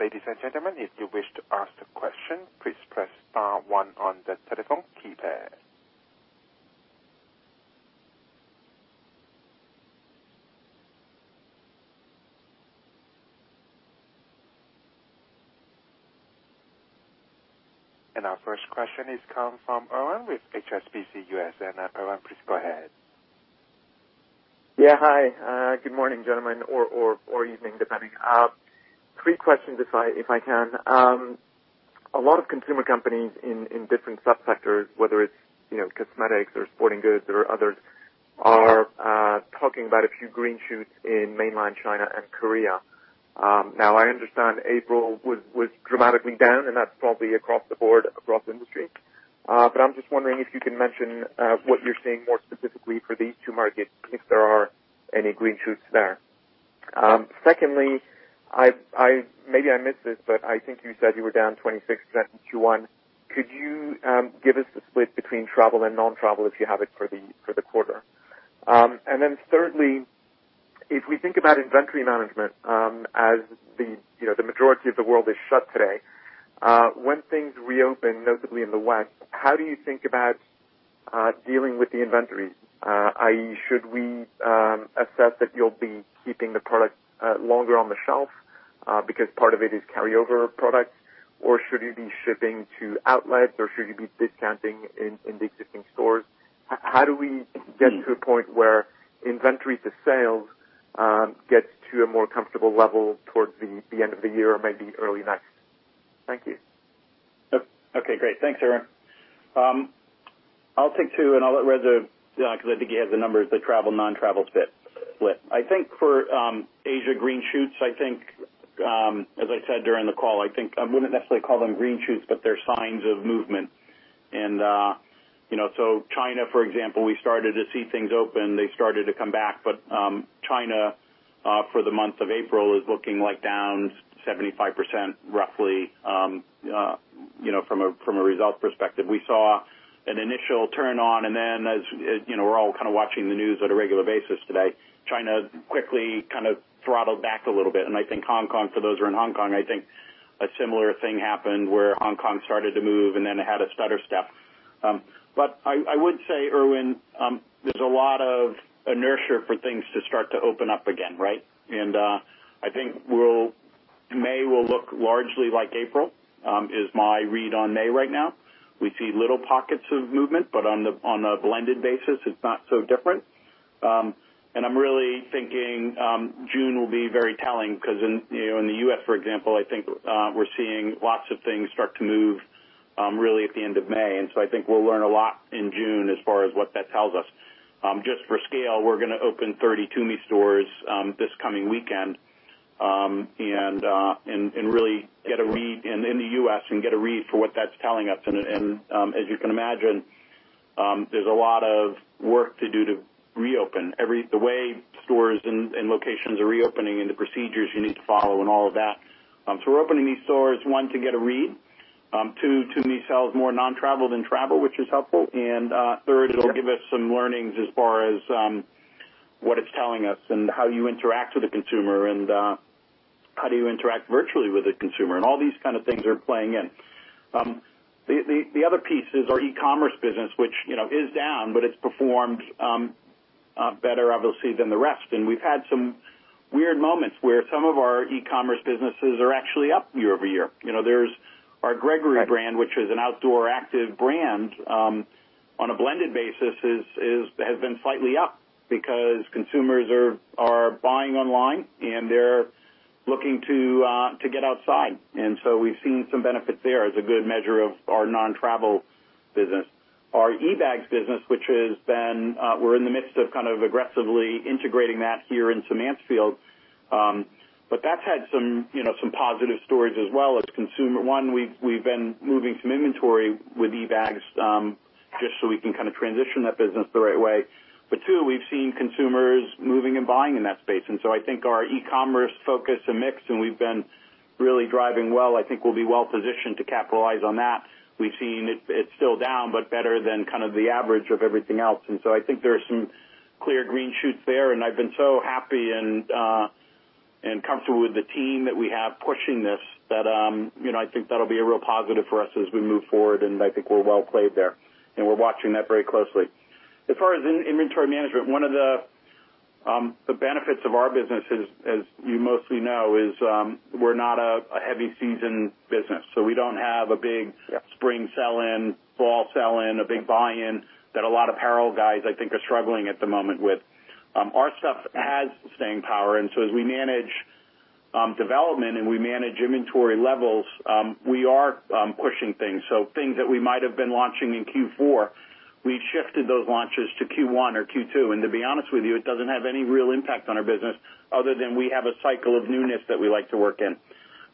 Ladies and gentlemen, if you wish to ask a question, please press star one on the telephone keypad. Our first question is coming from Irwin with HSBC US. Irwin, please go ahead. Hi, good morning, gentlemen, or evening, depending. Three questions, if I can. A lot of consumer companies in different sub-sectors, whether it's cosmetics or sporting goods or others, are talking about a few green shoots in mainland China and Korea. I understand April was dramatically down, and that's probably across the board, across industry. I'm just wondering if you can mention what you're seeing more specifically for these two markets, if there are any green shoots there. Secondly, maybe I missed this, I think you said you were down 26% in Q1. Could you give us the split between travel and non-travel, if you have it for the quarter? Thirdly, if we think about inventory management as the majority of the world is shut today. When things reopen, notably in the West, how do you think about dealing with the inventory? I.e., should we assess that you'll be keeping the product longer on the shelf because part of it is carryover product? Or should you be shipping to outlets, or should you be discounting in the existing stores? How do we get to a point where inventory to sales gets to a more comfortable level towards the end of the year or maybe early next? Thank you. Okay, great. Thanks, Irwin. I'll take two, and I'll let Reza, because I think he has the numbers, the travel, non-travel split. I think for Asia green shoots, as I said during the call, I wouldn't necessarily call them green shoots, but they're signs of movement. China, for example, we started to see things open. They started to come back. China, for the month of April, is looking like down 75%, roughly, from a results perspective. We saw an initial turn on, and then as we're all watching the news on a regular basis today, China quickly throttled back a little bit. I think Hong Kong, for those who are in Hong Kong, I think a similar thing happened where Hong Kong started to move and then had a stutter step. I would say, Irwin, there's a lot of inertia for things to start to open up again, right? I think May will look largely like April, is my read on May right now. We see little pockets of movement, but on a blended basis, it's not so different. I'm really thinking June will be very telling because in the U.S., for example, I think we're seeing lots of things start to move really at the end of May. I think we'll learn a lot in June as far as what that tells us. Just for scale, we're going to open 30 Tumi stores this coming weekend and in the U.S., and get a read for what that's telling us. As you can imagine, there's a lot of work to do to reopen. The way stores and locations are reopening and the procedures you need to follow and all of that. We're opening these stores, one, to get a read. Two, Tumi sells more non-travel than travel, which is helpful. Third, it'll give us some learnings as far as what it's telling us and how you interact with the consumer and how do you interact virtually with the consumer and all these kind of things are playing in. The other piece is our e-commerce business, which is down, but it's performed better, obviously, than the rest. We've had some weird moments where some of our e-commerce businesses are actually up year-over-year. There's our Gregory brand, which is an outdoor active brand. On a blended basis, has been slightly up because consumers are buying online and they're looking to get outside. We've seen some benefit there as a good measure of our non-travel business. Our eBags business, which we're in the midst of aggressively integrating that here into Mansfield. That's had some positive stories as well as consumer. One, we've been moving some inventory with eBags, just so we can kind of transition that business the right way. Two, we've seen consumers moving and buying in that space. I think our e-commerce focus and mix, and we've been really driving well, I think we'll be well positioned to capitalize on that. We've seen it's still down, but better than the average of everything else. I think there are some clear green shoots there, and I've been so happy and comfortable with the team that we have pushing this that I think that'll be a real positive for us as we move forward. I think we're well played there, and we're watching that very closely. As far as inventory management, one of the benefits of our business is, as you mostly know, is we're not a heavy season business. We don't have a big spring sell-in, fall sell-in, a big buy-in, that a lot of apparel guys, I think, are struggling at the moment with. Our stuff has staying power. As we manage development and we manage inventory levels, we are pushing things. Things that we might have been launching in Q4, we've shifted those launches to Q1 or Q2. To be honest with you, it doesn't have any real impact on our business other than we have a cycle of newness that we like to work in.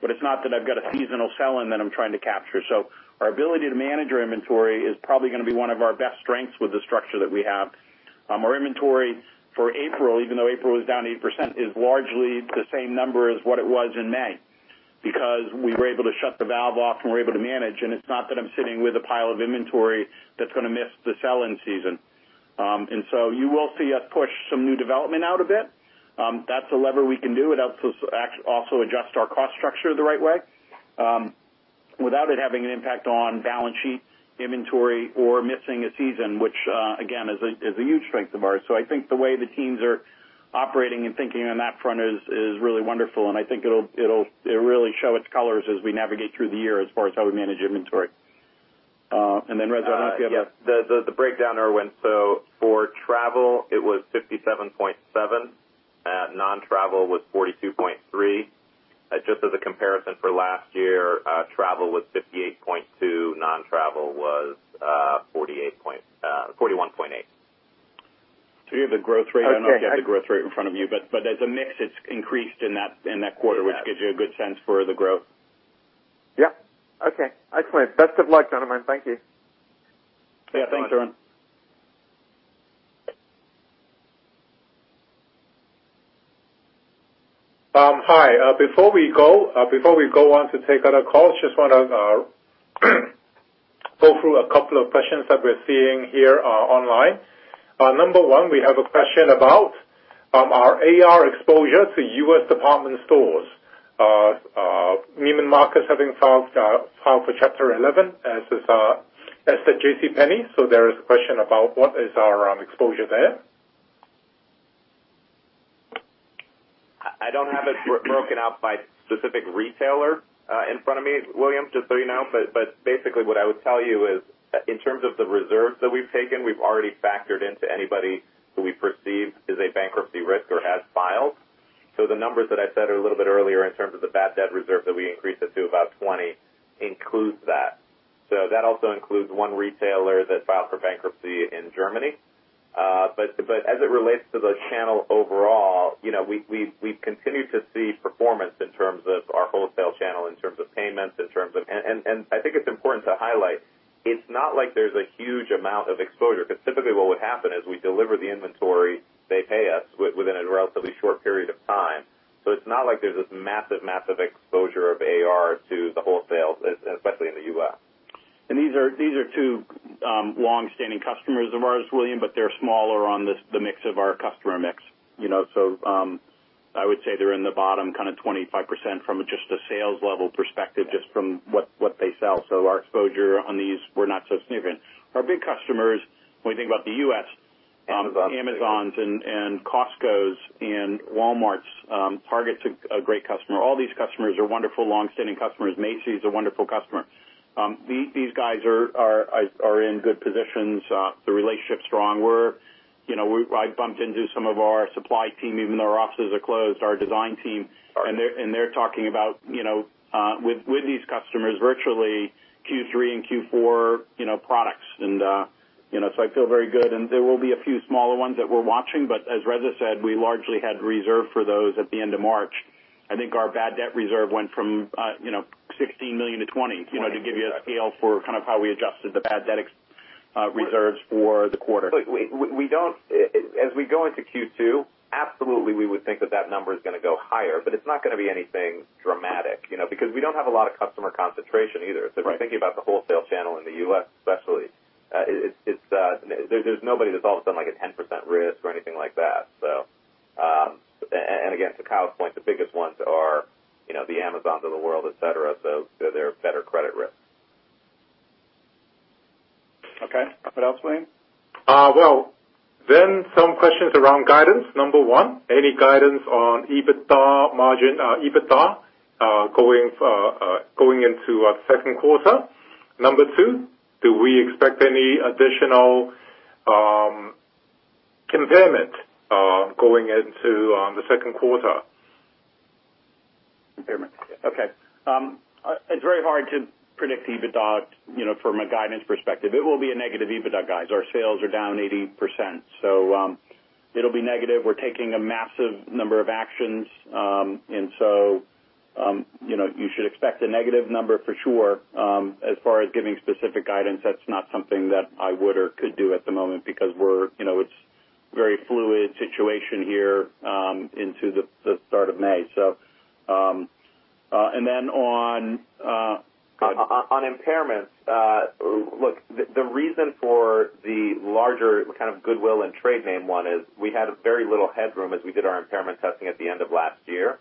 It's not that I've got a seasonal sell-in that I'm trying to capture. Our ability to manage our inventory is probably going to be one of our best strengths with the structure that we have. Our inventory for April, even though April was down 8%, is largely the same number as what it was in May because we were able to shut the valve off and we're able to manage. It's not that I'm sitting with a pile of inventory that's going to miss the sell-in season. You will see us push some new development out a bit. That's a lever we can do. It helps us also adjust our cost structure the right way without it having an impact on balance sheet inventory or missing a season, which again, is a huge strength of ours. I think the way the teams are operating and thinking on that front is really wonderful, and I think it'll really show its colors as we navigate through the year as far as how we manage inventory. Reza, I don't know if you have- Yes. The breakdown, Irwin. For travel, it was 57.7%. Non-travel was 42.3%. Just as a comparison for last year, travel was 58.2%, non-travel was 41.8%. You have the growth rate. I don't know if you have the growth rate in front of you, but as a mix, it's increased in that quarter, which gives you a good sense for the growth. Yeah. Okay. Excellent. Best of luck, gentlemen. Thank you. Yeah. Thanks, Irwin. Hi. Before we go on to take other calls, just want to go through a couple of questions that we're seeing here online. Number one, we have a question about our AR exposure to U.S. department stores. Neiman Marcus having filed for Chapter 11, as has JCPenney. There is a question about what is our exposure there. I don't have it broken out by specific retailer in front of me, William, just so you know. Basically what I would tell you is, in terms of the reserves that we've taken, we've already factored into anybody who we perceive is a bankruptcy risk or has filed. The numbers that I said a little bit earlier in terms of the bad debt reserve that we increased it to about 20% includes that. That also includes one retailer that filed for bankruptcy in Germany. As it relates to the channel overall, we continue to see performance in terms of our wholesale channel, in terms of payments. I think it's important to highlight, it's not like there's a huge amount of exposure, because typically what would happen is we deliver the inventory, they pay us within a relatively short period of time. It's not like there's this massive exposure of AR to the wholesale, especially in the U.S. These are two longstanding customers of ours, William, but they're smaller on the mix of our customer mix. I would say they're in the bottom 25% from just a sales level perspective, just from what they sell. Our exposure on these were not so significant. Our big customers, when we think about the U.S.- Amazon Amazons and Costcos and Walmarts. Target's a great customer. All these customers are wonderful longstanding customers. Macy's a wonderful customer. These guys are in good positions. The relationship's strong. I bumped into some of our supply team, even though our offices are closed, our design team- Sure They're talking about, with these customers virtually, Q3 and Q4 products. I feel very good. There will be a few smaller ones that we're watching, but as Reza said, we largely had reserved for those at the end of March. I think our bad debt reserve went from $16 million to $20, to give you a scale for how we adjusted the bad debt reserves for the quarter. As we go into Q2, absolutely we would think that that number is going to go higher, but it's not going to be anything dramatic. We don't have a lot of customer concentration either. Right. If you're thinking about the wholesale channel in the U.S. especially, there's nobody that's all of a sudden like a 10% risk or anything like that. Again, to Kyle's point, the biggest ones are the Amazons of the world, et cetera, so they're better credit risks. Okay. What else, William? Well, some questions around guidance. Number 1, any guidance on EBITDA going into our second quarter? Number 2, do we expect any additional impairment going into the second quarter? Impairment. Okay. It's very hard to predict EBITDA from a guidance perspective. It will be a negative EBITDA, guys. Our sales are down 80%, so it'll be negative. We're taking a massive number of actions. You should expect a negative number for sure. As far as giving specific guidance, that's not something that I would or could do at the moment because it's very fluid situation here into the start of May. On impairments. Look, the reason for the larger kind of goodwill and trade name one is we had a very little headroom as we did our impairment testing at the end of last year.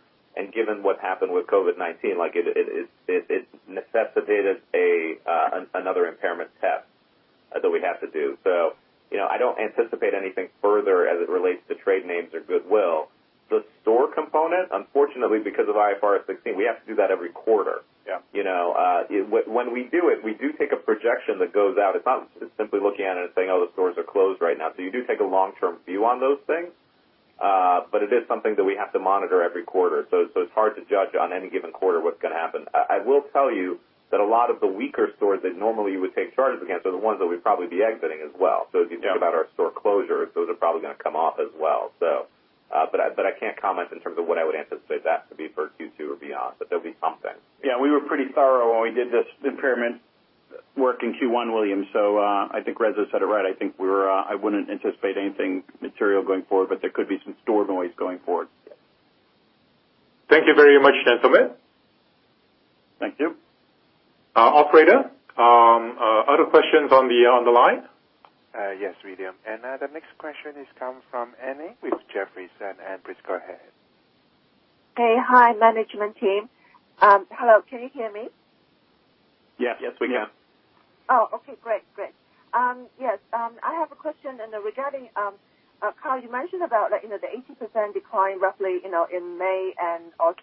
Given what happened with COVID-19, it necessitated another impairment test that we have to do. I don't anticipate anything further as it relates to trade names or goodwill. The store component, unfortunately, because of IFRS 16, we have to do that every quarter. Yeah. When we do it, we do take a projection that goes out. It's not simply looking at it and saying, "Oh, the stores are closed right now." You do take a long-term view on those things. It is something that we have to monitor every quarter. It's hard to judge on any given quarter what's going to happen. I will tell you that a lot of the weaker stores that normally you would take charges against are the ones that we'd probably be exiting as well. Yeah. As you think about our store closures, those are probably going to come off as well. I can't comment in terms of what I would anticipate that to be for Q2 or beyond, but there'll be something. We were pretty thorough when we did this impairment work in Q1, William. I think Reza said it right. I wouldn't anticipate anything material going forward, but there could be some store noise going forward. Yes. Thank you very much, gentlemen. Thank you. Operator, other questions on the line? Yes, William. The next question is coming from Annie with Jefferies. Annie, please go ahead. Hey. Hi, management team. Hello, can you hear me? Yes, we can. Oh, okay, great. Yes. I have a question regarding, Kyle, you mentioned about the 80% decline roughly in April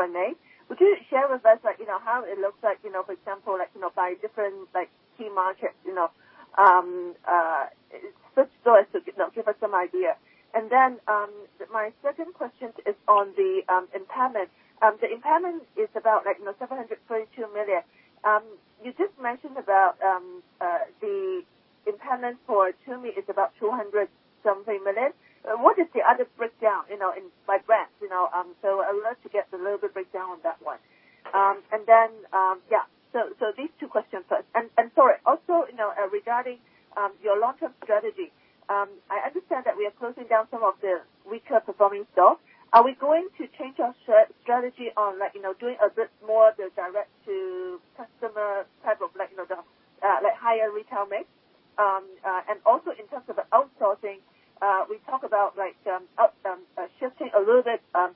and May. Could you share with us how it looks like, for example, by different key markets? Which stores, to give us some idea. My second question is on the impairment. The impairment is about $732 million. You just mentioned about the impairment for Tumi is about $200 something million. What is the other breakdown by brands? I would love to get a little bit breakdown on that one. These two questions first. Sorry, also, regarding your long-term strategy. I understand that we are closing down some of the weaker performing stores. Are we going to change our strategy on doing a bit more of the direct to customer type of the higher retail mix? Also in terms of outsourcing, we talk about shifting a little bit of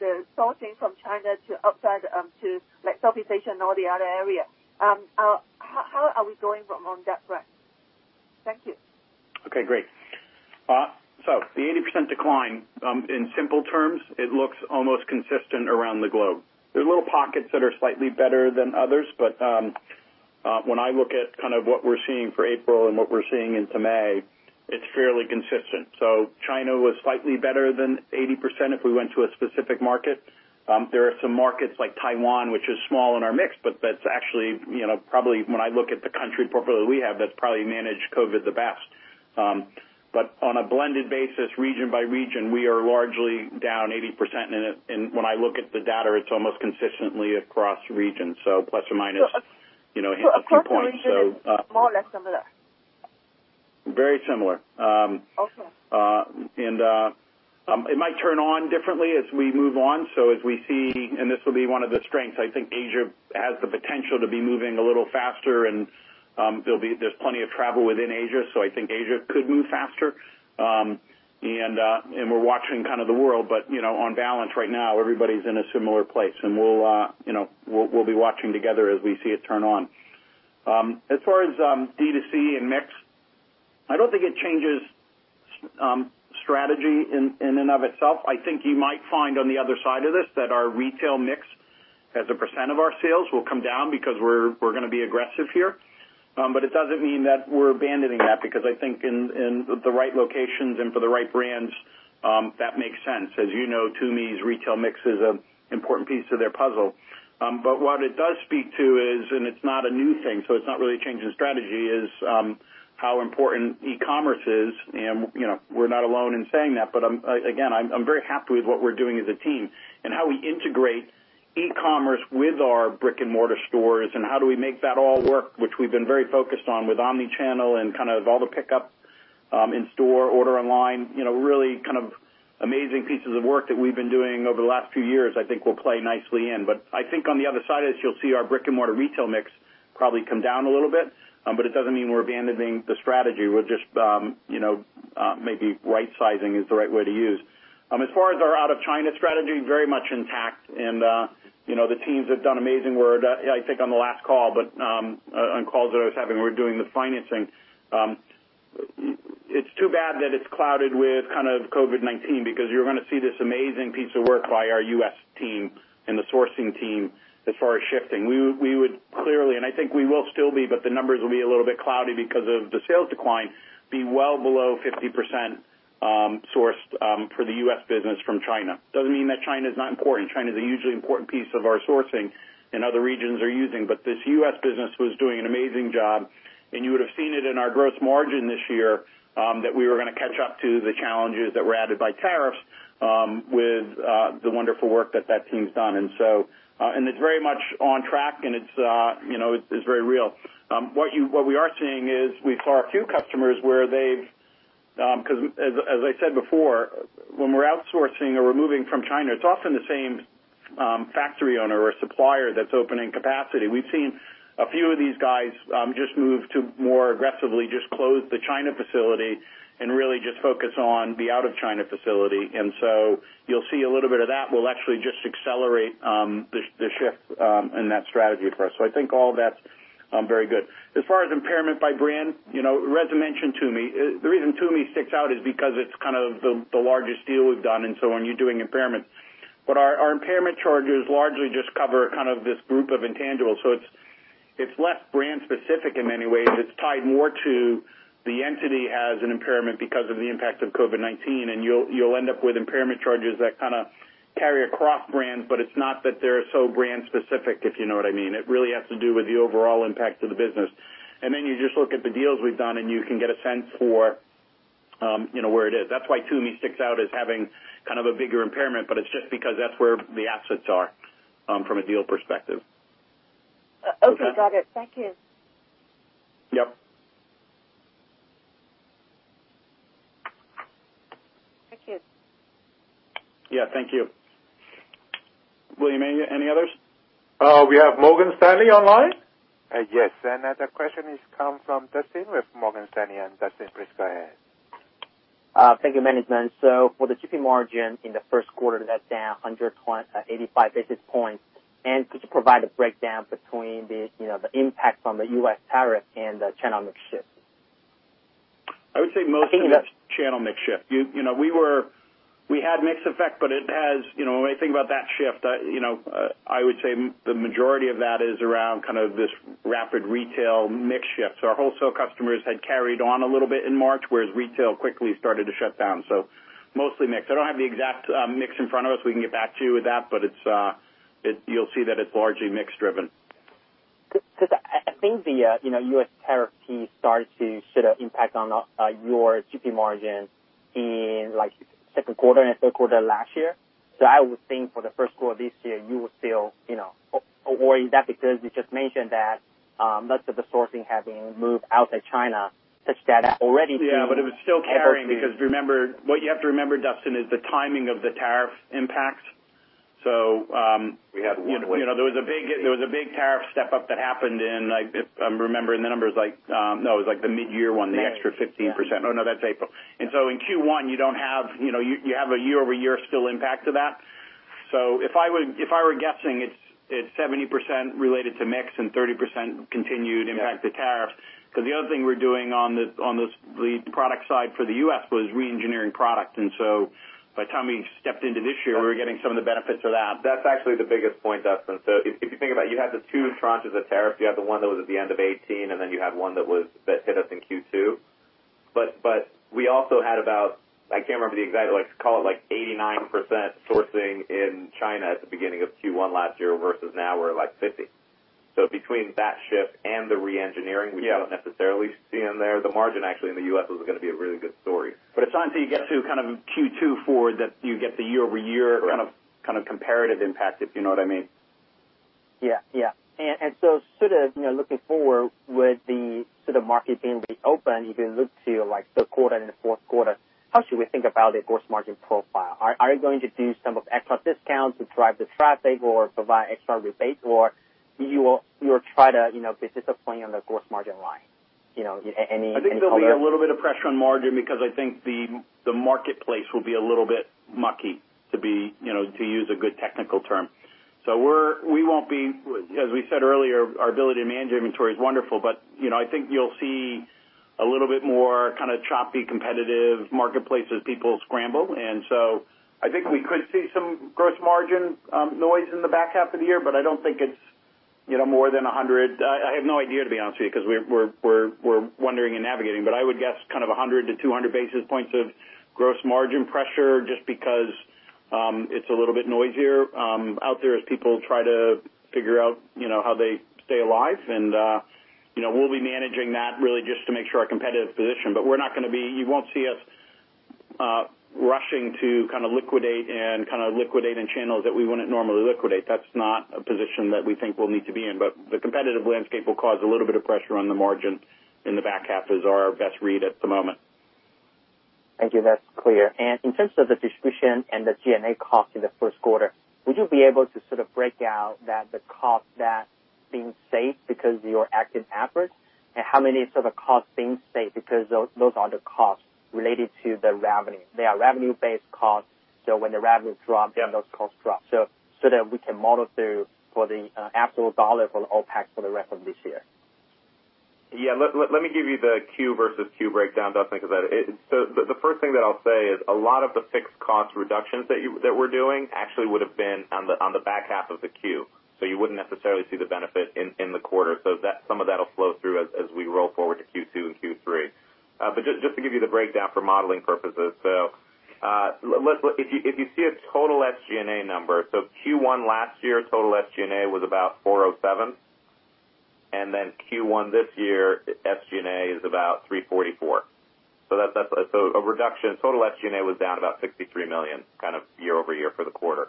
the sourcing from China to outside to Southeast Asia and all the other area. How are we going along that front? Thank you. Okay, great. The 80% decline, in simple terms, it looks almost consistent around the globe. There is little pockets that are slightly better than others, but when I look at what we are seeing for April and what we are seeing into May, it is fairly consistent. China was slightly better than 80% if we went to a specific market. There are some markets like Taiwan, which is small in our mix, but that is actually probably when I look at the country portfolio we have, that is probably managed COVID the best. On a blended basis, region by region, we are largely down 80%, and when I look at the data, it is almost consistently across regions, so plus or minus a few points. Across regions, it's more or less similar? Very similar. Okay. It might turn on differently as we move on. As we see, and this will be one of the strengths, I think Asia has the potential to be moving a little faster, and there's plenty of travel within Asia, so I think Asia could move faster. We're watching the world, but on balance right now, everybody's in a similar place, and we'll be watching together as we see it turn on. As far as D2C and mix, I don't think it changes strategy in and of itself. I think you might find on the other side of this that our retail mix as a percent of our sales will come down because we're going to be aggressive here. It doesn't mean that we're abandoning that because I think in the right locations and for the right brands, that makes sense. As you know, Tumi's retail mix is an important piece of their puzzle. What it does speak to is, and it's not a new thing, so it's not really a change in strategy, is how important e-commerce is. We're not alone in saying that. Again, I'm very happy with what we're doing as a team and how we integrate e-commerce with our brick-and-mortar stores and how do we make that all work, which we've been very focused on with omni-channel and kind of all the pickup in store, order online, really kind of amazing pieces of work that we've been doing over the last few years, I think will play nicely in. I think on the other side is you'll see our brick-and-mortar retail mix probably come down a little bit, but it doesn't mean we're abandoning the strategy. We're just maybe right-sizing is the right way to use. As far as our out-of-China strategy, very much intact. The teams have done amazing work, I think on the last call, on calls that I was having, we're doing the financing. It's too bad that it's clouded with kind of COVID-19 because you're going to see this amazing piece of work by our U.S. team and the sourcing team as far as shifting. We would clearly, I think we will still be, the numbers will be a little bit cloudy because of the sales decline, be well below 50% sourced for the U.S. business from China. Doesn't mean that China is not important. China is a hugely important piece of our sourcing, other regions are using. This U.S. business was doing an amazing job, and you would have seen it in our gross margin this year that we were going to catch up to the challenges that were added by tariffs with the wonderful work that team's done. It's very much on track, and it's very real. What we are seeing is we saw a few customers where because as I said before, when we're outsourcing or we're moving from China, it's often the same factory owner or supplier that's opening capacity. We've seen a few of these guys just move to more aggressively just close the China facility and really just focus on the out-of-China facility. You'll see a little bit of that will actually just accelerate the shift in that strategy for us. I think all that's very good. As far as impairment by brand, Reza mentioned Tumi. The reason Tumi sticks out is because it's kind of the largest deal we've done, and so when you're doing impairment. Our impairment charges largely just cover kind of this group of intangibles. It's less brand specific in many ways. It's tied more to the entity as an impairment because of the impact of COVID-19, and you'll end up with impairment charges that kind of carry across brands, but it's not that they're so brand specific, if you know what I mean. It really has to do with the overall impact of the business. You just look at the deals we've done, and you can get a sense for where it is. That's why Tumi sticks out as having kind of a bigger impairment, but it's just because that's where the assets are from a deal perspective. Okay, got it. Thank you. Yep. Thank you. Yeah. Thank you. William, any others? We have Morgan Stanley online. Yes. The question is come from Dustin with Morgan Stanley. Dustin, please go ahead. Thank you, management. For the gross margin in the first quarter, that's down 185 basis points, could you provide a breakdown between the impact from the U.S. tariff and the channel mix shift? I would say mostly mix channel mix shift. We had mix effect, but when I think about that shift, I would say the majority of that is around kind of this rapid retail mix shift. Our wholesale customers had carried on a little bit in March, whereas retail quickly started to shut down. Mostly mix. I don't have the exact mix in front of us. We can get back to you with that, but you'll see that it's largely mix driven. I think the U.S. tariff piece started to sort of impact on your gross margin in second quarter and third quarter last year. I would think for the first quarter this year, you would still avoid that because you just mentioned that most of the sourcing have been moved out of China such that already- Yeah, it was still carrying because what you have to remember, Dustin, is the timing of the tariff impact. We had to wait. There was a big tariff step up that happened in, if I'm remembering the numbers, no, it was like the mid-year one, the extra 15%. Oh, no, that's April. In Q1, you have a year-over-year still impact to that. If I were guessing, it's 70% related to mix and 30% continued impact of tariffs. The other thing we're doing on the product side for the U.S. was re-engineering product. By the time we stepped into this year, we were getting some of the benefits of that. That's actually the biggest point, Dustin. If you think about it, you have the two tranches of tariffs. You have the one that was at the end of 2018, and then you have one that hit us in Q2. We also had about, I can't remember the exact, let's call it like 89% sourcing in China at the beginning of Q1 last year versus now we're like 50%. Between that shift and the re-engineering, which you don't necessarily see in there, the margin actually in the U.S. was going to be a really good story. It's not until you get to kind of Q2 forward that you get the year-over-year kind of comparative impact, if you know what I mean. Yeah. Sort of looking forward with the sort of market being reopened, if you look to third quarter and the fourth quarter, how should we think about the gross margin profile? Are you going to do some of extra discounts to drive the traffic or provide extra rebates, or you will try to be disciplined on the gross margin line? Any color? I think there'll be a little bit of pressure on margin because I think the marketplace will be a little bit mucky, to use a good technical term. We won't be, as we said earlier, our ability to manage inventory is wonderful, but I think you'll see a little bit more kind of choppy competitive marketplace as people scramble. I think we could see some gross margin noise in the back half of the year, but I don't think it's more than 100. I have no idea, to be honest with you, because we're wondering and navigating, but I would guess kind of 100 to 200 basis points of gross margin pressure just because it's a little bit noisier out there as people try to figure out how they stay alive. We'll be managing that really just to make sure our competitive position, but you won't see us rushing to liquidate and liquidate in channels that we wouldn't normally liquidate. That's not a position that we think we'll need to be in. The competitive landscape will cause a little bit of pressure on the margin in the back half is our best read at the moment. Thank you. That's clear. In terms of the distribution and the G&A cost in the first quarter, would you be able to sort of break out the cost that's being saved because of your active efforts, and how many cost being saved because those are the costs related to the revenue? They are revenue-based costs. Yeah those costs drop. That we can model through for the absolute $ for the OpEx for the rest of this year. Yeah. Let me give you the Q versus Q breakdown, Dustin, because the first thing that I'll say is a lot of the fixed cost reductions that we're doing actually would've been on the back half of the Q, so you wouldn't necessarily see the benefit in the quarter. Some of that'll flow through as we roll forward to Q2 and Q3. Just to give you the breakdown for modeling purposes. If you see a total SG&A number, so Q1 last year, total SG&A was about $407, and then Q1 this year, SG&A is about $344. A reduction, total SG&A was down about $63 million, kind of year-over-year for the quarter.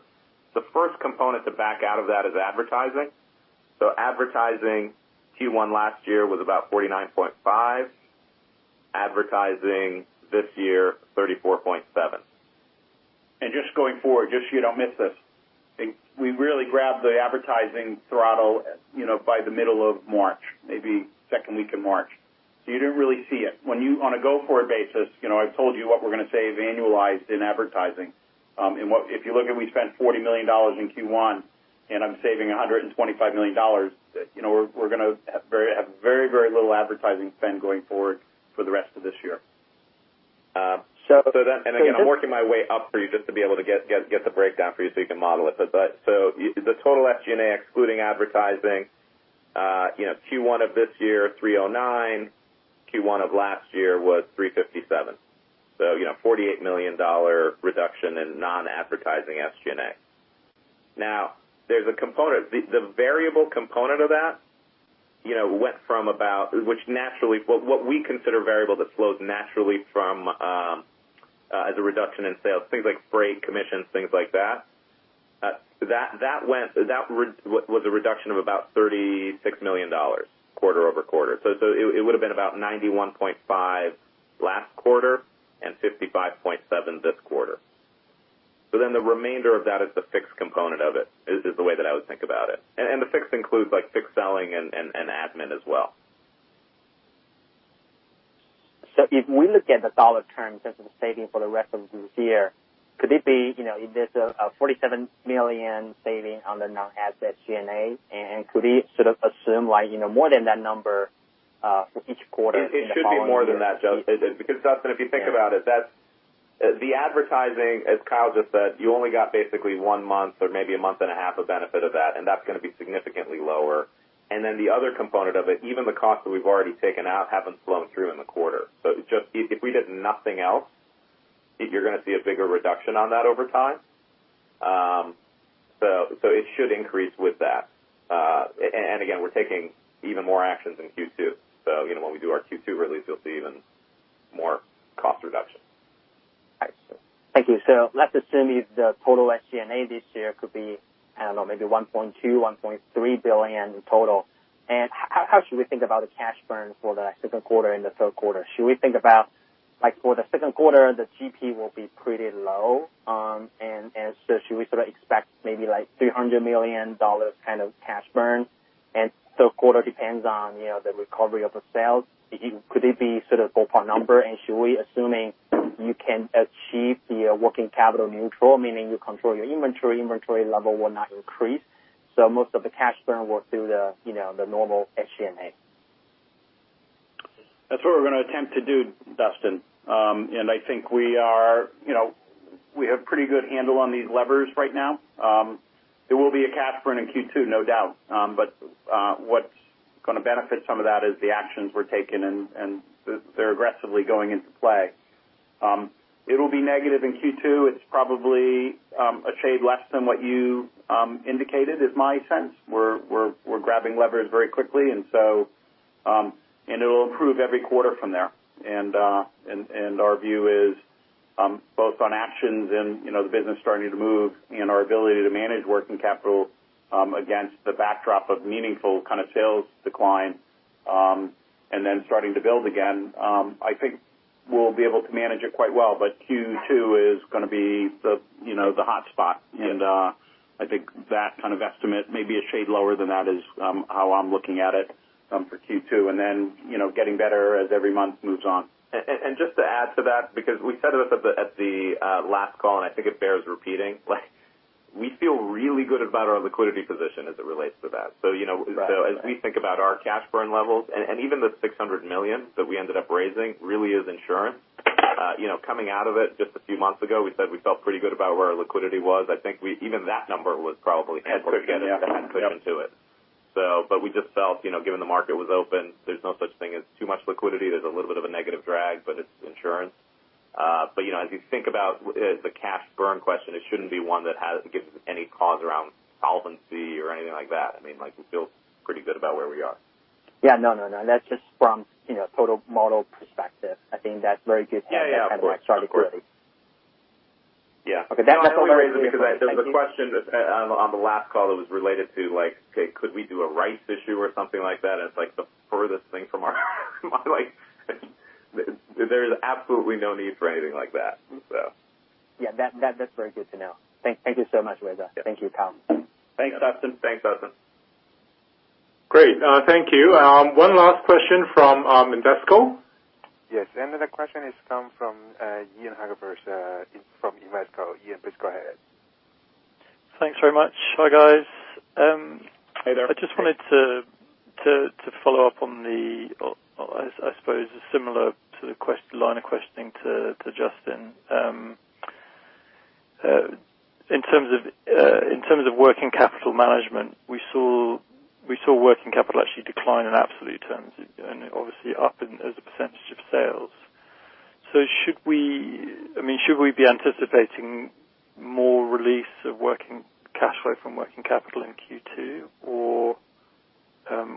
The first component to back out of that is advertising. Advertising Q1 last year was about $49.5. Advertising this year, $34.7. Just going forward, just so you don't miss this, we really grabbed the advertising throttle by the middle of March, maybe second week of March. You didn't really see it. On a go-forward basis, I've told you what we're going to save annualized in advertising. If you look at, we spent $40 million in Q1, and I'm saving $125 million, we're going to have very, very little advertising spend going forward for the rest of this year. Again, I'm working my way up for you just to be able to get the breakdown for you so you can model it. The total SG&A excluding advertising, Q1 of this year, $309 million. Q1 of last year was $357 million. $48 million reduction in non-advertising SG&A. There's a component, the variable component of that went from about, what we consider variable that flows naturally as a reduction in sales, things like freight, commissions, things like that. That was a reduction of about $36 million quarter-over-quarter. It would've been about $91.5 million last quarter and $55.7 million this quarter. The remainder of that is the fixed component of it, is the way that I would think about it. The fixed includes like fixed selling and admin as well. If we look at the dollar terms in terms of saving for the rest of this year, could it be there's a $47 million saving on the non-ad SG&A and could we sort of assume more than that number for each quarter in the following year? It should be more than that, Dustin. Dustin, if you think about it, the advertising, as Kyle just said, you only got basically one month or maybe a month and a half of benefit of that, and that's going to be significantly lower. The other component of it, even the cost that we've already taken out, haven't flown through in the quarter. Just if we did nothing else, you're going to see a bigger reduction on that over time. It should increase with that. Again, we're taking even more actions in Q2, when we do our Q2 release, you'll see even more cost reduction. Got you. Thank you. Let's assume if the total SG&A this year could be, I don't know, maybe $1.2 billion, $1.3 billion in total. How should we think about the cash burn for the second quarter and the third quarter? Should we think about like for the second quarter, the gross margin will be pretty low? Should we sort of expect maybe like $300 million kind of cash burn and third quarter depends on the recovery of the sales? Could it be sort of ballpark number and should we assuming you can achieve the working capital neutral, meaning you control your inventory level will not increase, so most of the cash burn will do the normal SG&A? That's what we're going to attempt to do, Dustin. I think we have pretty good handle on these levers right now. There will be a cash burn in Q2, no doubt. What's going to benefit some of that is the actions we're taking, and they're aggressively going into play. It'll be negative in Q2. It's probably a shade less than what you indicated is my sense. We're grabbing levers very quickly, and it'll improve every quarter from there. Our view is both on actions and the business starting to move and our ability to manage working capital against the backdrop of meaningful kind of sales decline, and then starting to build again. I think we'll be able to manage it quite well, but Q2 is going to be the hot spot. I think that kind of estimate, maybe a shade lower than that is how I'm looking at it for Q2, getting better as every month moves on. Just to add to that, because we said it at the last call, and I think it bears repeating like We feel really good about our liquidity position as it relates to that. Right. As we think about our cash burn levels and even the $600 million that we ended up raising really is insurance. Coming out of it just a few months ago, we said we felt pretty good about where our liquidity was. I think even that number was probably head cushion. Yeah. Head cushion to it. We just felt, given the market was open, there's no such thing as too much liquidity. There's a little bit of a negative drag, but it's insurance. As you think about the cash burn question, it shouldn't be one that gives any cause around solvency or anything like that. We feel pretty good about where we are. Yeah. No, that's just from total model perspective. I think that's very good to kind of start recording. Yeah. Okay. That's the only reason I'm asking. There was a question on the last call that was related to, could we do a rights issue or something like that? It's like the furthest thing from my life. There is absolutely no need for anything like that. Yeah. That's very good to know. Thank you so much, Reza. Yeah. Thank you, Tom. Thanks, Dustin. Great. Thank you. One last question from Invesco. Yes. Then the question is come from Ian Hagerberg from Invesco. Ian, please go ahead. Thanks very much. Hi, guys. Hey there. I just wanted to follow up on the, I suppose similar to the line of questioning to Dustin. In terms of working capital management, we saw working capital actually decline in absolute terms and obviously up as a percentage of sales. Should we be anticipating more release of working cash flow from working capital in Q2,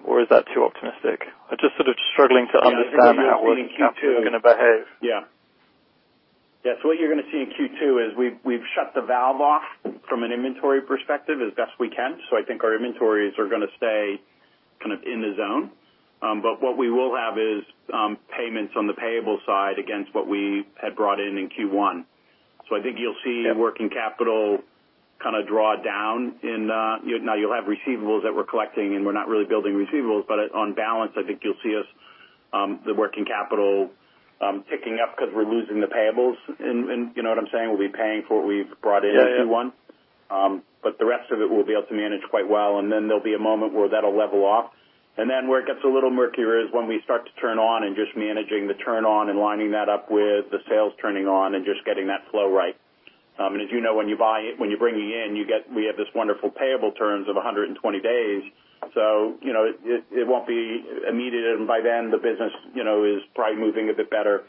or is that too optimistic? I'm just sort of struggling to understand how working capital is going to behave. Yeah. What you're going to see in Q2 is we've shut the valve off from an inventory perspective as best we can. I think our inventories are going to stay kind of in the zone. What we will have is payments on the payable side against what we had brought in in Q1. I think you'll see working capital kind of draw down. Now you'll have receivables that we're collecting, and we're not really building receivables. On balance, I think you'll see us the working capital ticking up because we're losing the payables. You know what I'm saying? We'll be paying for what we've brought in in Q1. Yeah. The rest of it we'll be able to manage quite well, and then there'll be a moment where that'll level off. Then where it gets a little murkier is when we start to turn on and just managing the turn on and lining that up with the sales turning on and just getting that flow right. As you know, when you're bringing in, we have this wonderful payable terms of 120 days, so it won't be immediate. By then, the business is probably moving a bit better,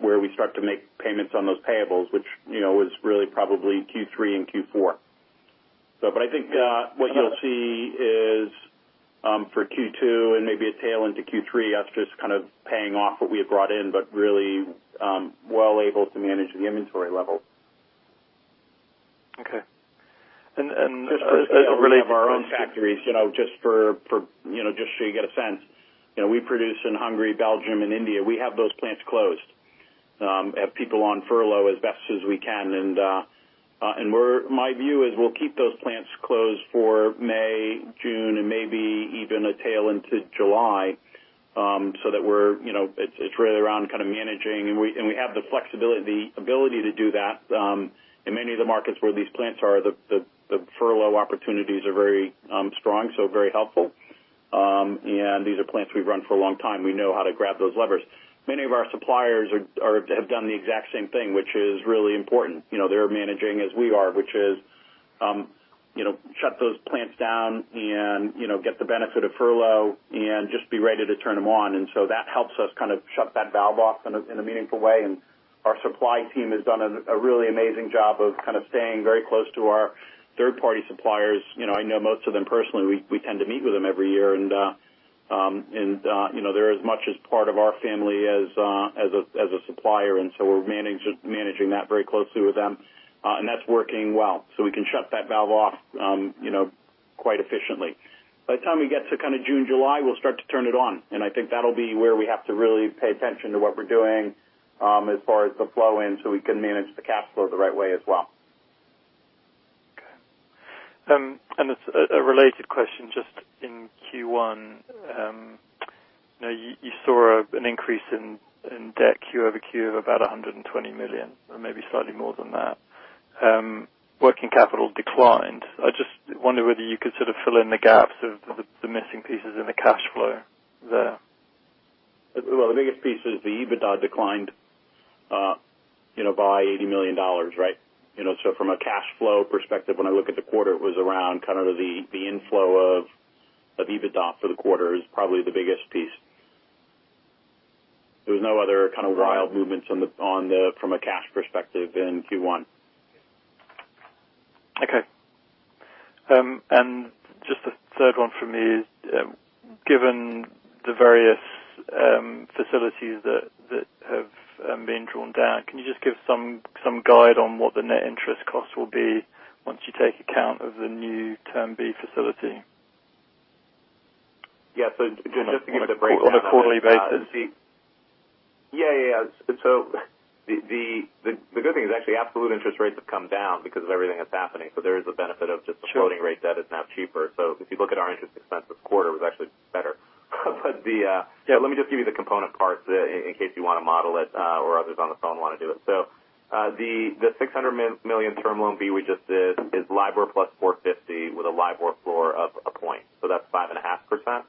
where we start to make payments on those payables, which is really probably Q3 and Q4. I think what you'll see is for Q2 and maybe a tail into Q3, that's just kind of paying off what we had brought in, but really well able to manage the inventory level. Okay. Just for factories, just so you get a sense. We produce in Hungary, Belgium, and India. We have those plants closed. Have people on furlough as best as we can. My view is we'll keep those plants closed for May, June, and maybe even a tail into July, so that it's really around kind of managing. We have the flexibility, the ability to do that. In many of the markets where these plants are, the furlough opportunities are very strong, so very helpful. These are plants we've run for a long time. We know how to grab those levers. Many of our suppliers have done the exact same thing, which is really important. They're managing as we are, which is shut those plants down and get the benefit of furlough and just be ready to turn them on. That helps us kind of shut that valve off in a meaningful way. Our supply team has done a really amazing job of kind of staying very close to our third-party suppliers. I know most of them personally. We tend to meet with them every year, and they're as much as part of our family as a supplier. We're managing that very closely with them. That's working well. We can shut that valve off quite efficiently. By the time we get to kind of June, July, we'll start to turn it on, and I think that'll be where we have to really pay attention to what we're doing as far as the flow in, so we can manage the cash flow the right way as well. Okay. It's a related question, just in Q1, you saw an increase in debt quarter-over-quarter of about $120 million or maybe slightly more than that. Working capital declined. I just wonder whether you could sort of fill in the gaps of the missing pieces in the cash flow there. The biggest piece is the EBITDA declined by $80 million. From a cash flow perspective, when I look at the quarter, it was around kind of the inflow of EBITDA for the quarter is probably the biggest piece. There was no other kind of wild movements from a cash perspective in Q1. Okay. Just a third one from me. Given the various facilities that have been drawn down, can you just give some guide on what the net interest cost will be once you take account of the new Term B facility? Yeah. Just to give a breakdown of it. On a quarterly basis. Yeah. The good thing is actually absolute interest rates have come down because of everything that's happening. There is a benefit of just the floating rate debt is now cheaper. If you look at our interest expense this quarter, it was actually better. Let me just give you the component parts in case you want to model it, or others on the phone want to do it. The $600 million Term Loan B we just did is LIBOR plus 450 with a LIBOR floor of a point. That's 5.5%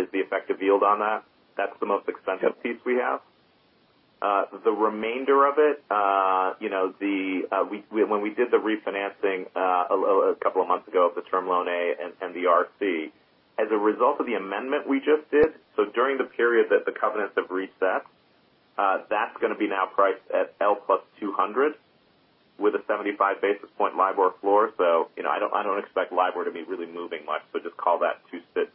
is the effective yield on that. That's the most expensive piece we have. The remainder of it, when we did the refinancing a couple of months ago of the Term Loan A and the RC, as a result of the amendment we just did, so during the period that the covenants have reset, that's going to be now priced at L plus 200 with a 75 basis point LIBOR floor. I don't expect LIBOR to be really moving much, so just call that 2.75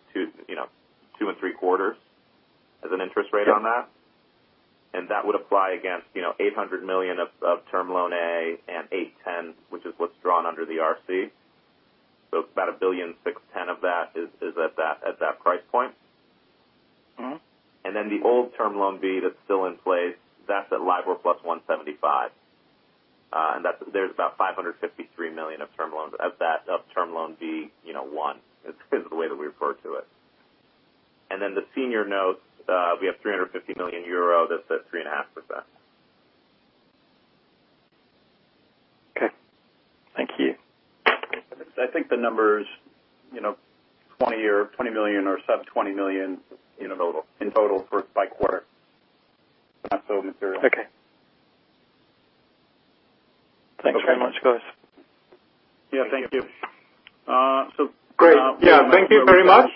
as an interest rate on that. That would apply against $800 million of Term Loan A and $810 million, which is what's drawn under the RC. About $1.6 billion of that is at that price point. The old Term Loan B that's still in place, that's at LIBOR plus 175. There's about $553 million of term loans of that, of Term Loan B 1, is the way that we refer to it. The senior notes, we have €350 million that's at 3.5%. Okay. Thank you. I think the number's $20 million or sub $20 million in total by quarter. Not so material. Okay. Thanks very much, guys. Yeah, thank you. Great. Yeah. Thank you very much,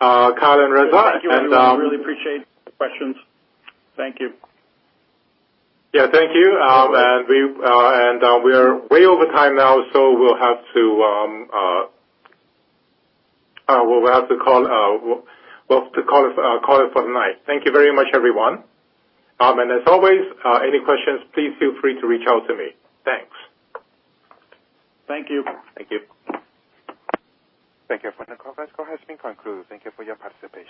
Kyle and Reza. Thank you, everyone. Really appreciate the questions. Thank you. Yeah, thank you. We are way over time now, so we’ll have to call it for the night. Thank you very much, everyone. As always, any questions, please feel free to reach out to me. Thanks. Thank you. Thank you. Thank you. The conference call has been concluded. Thank you for your participation.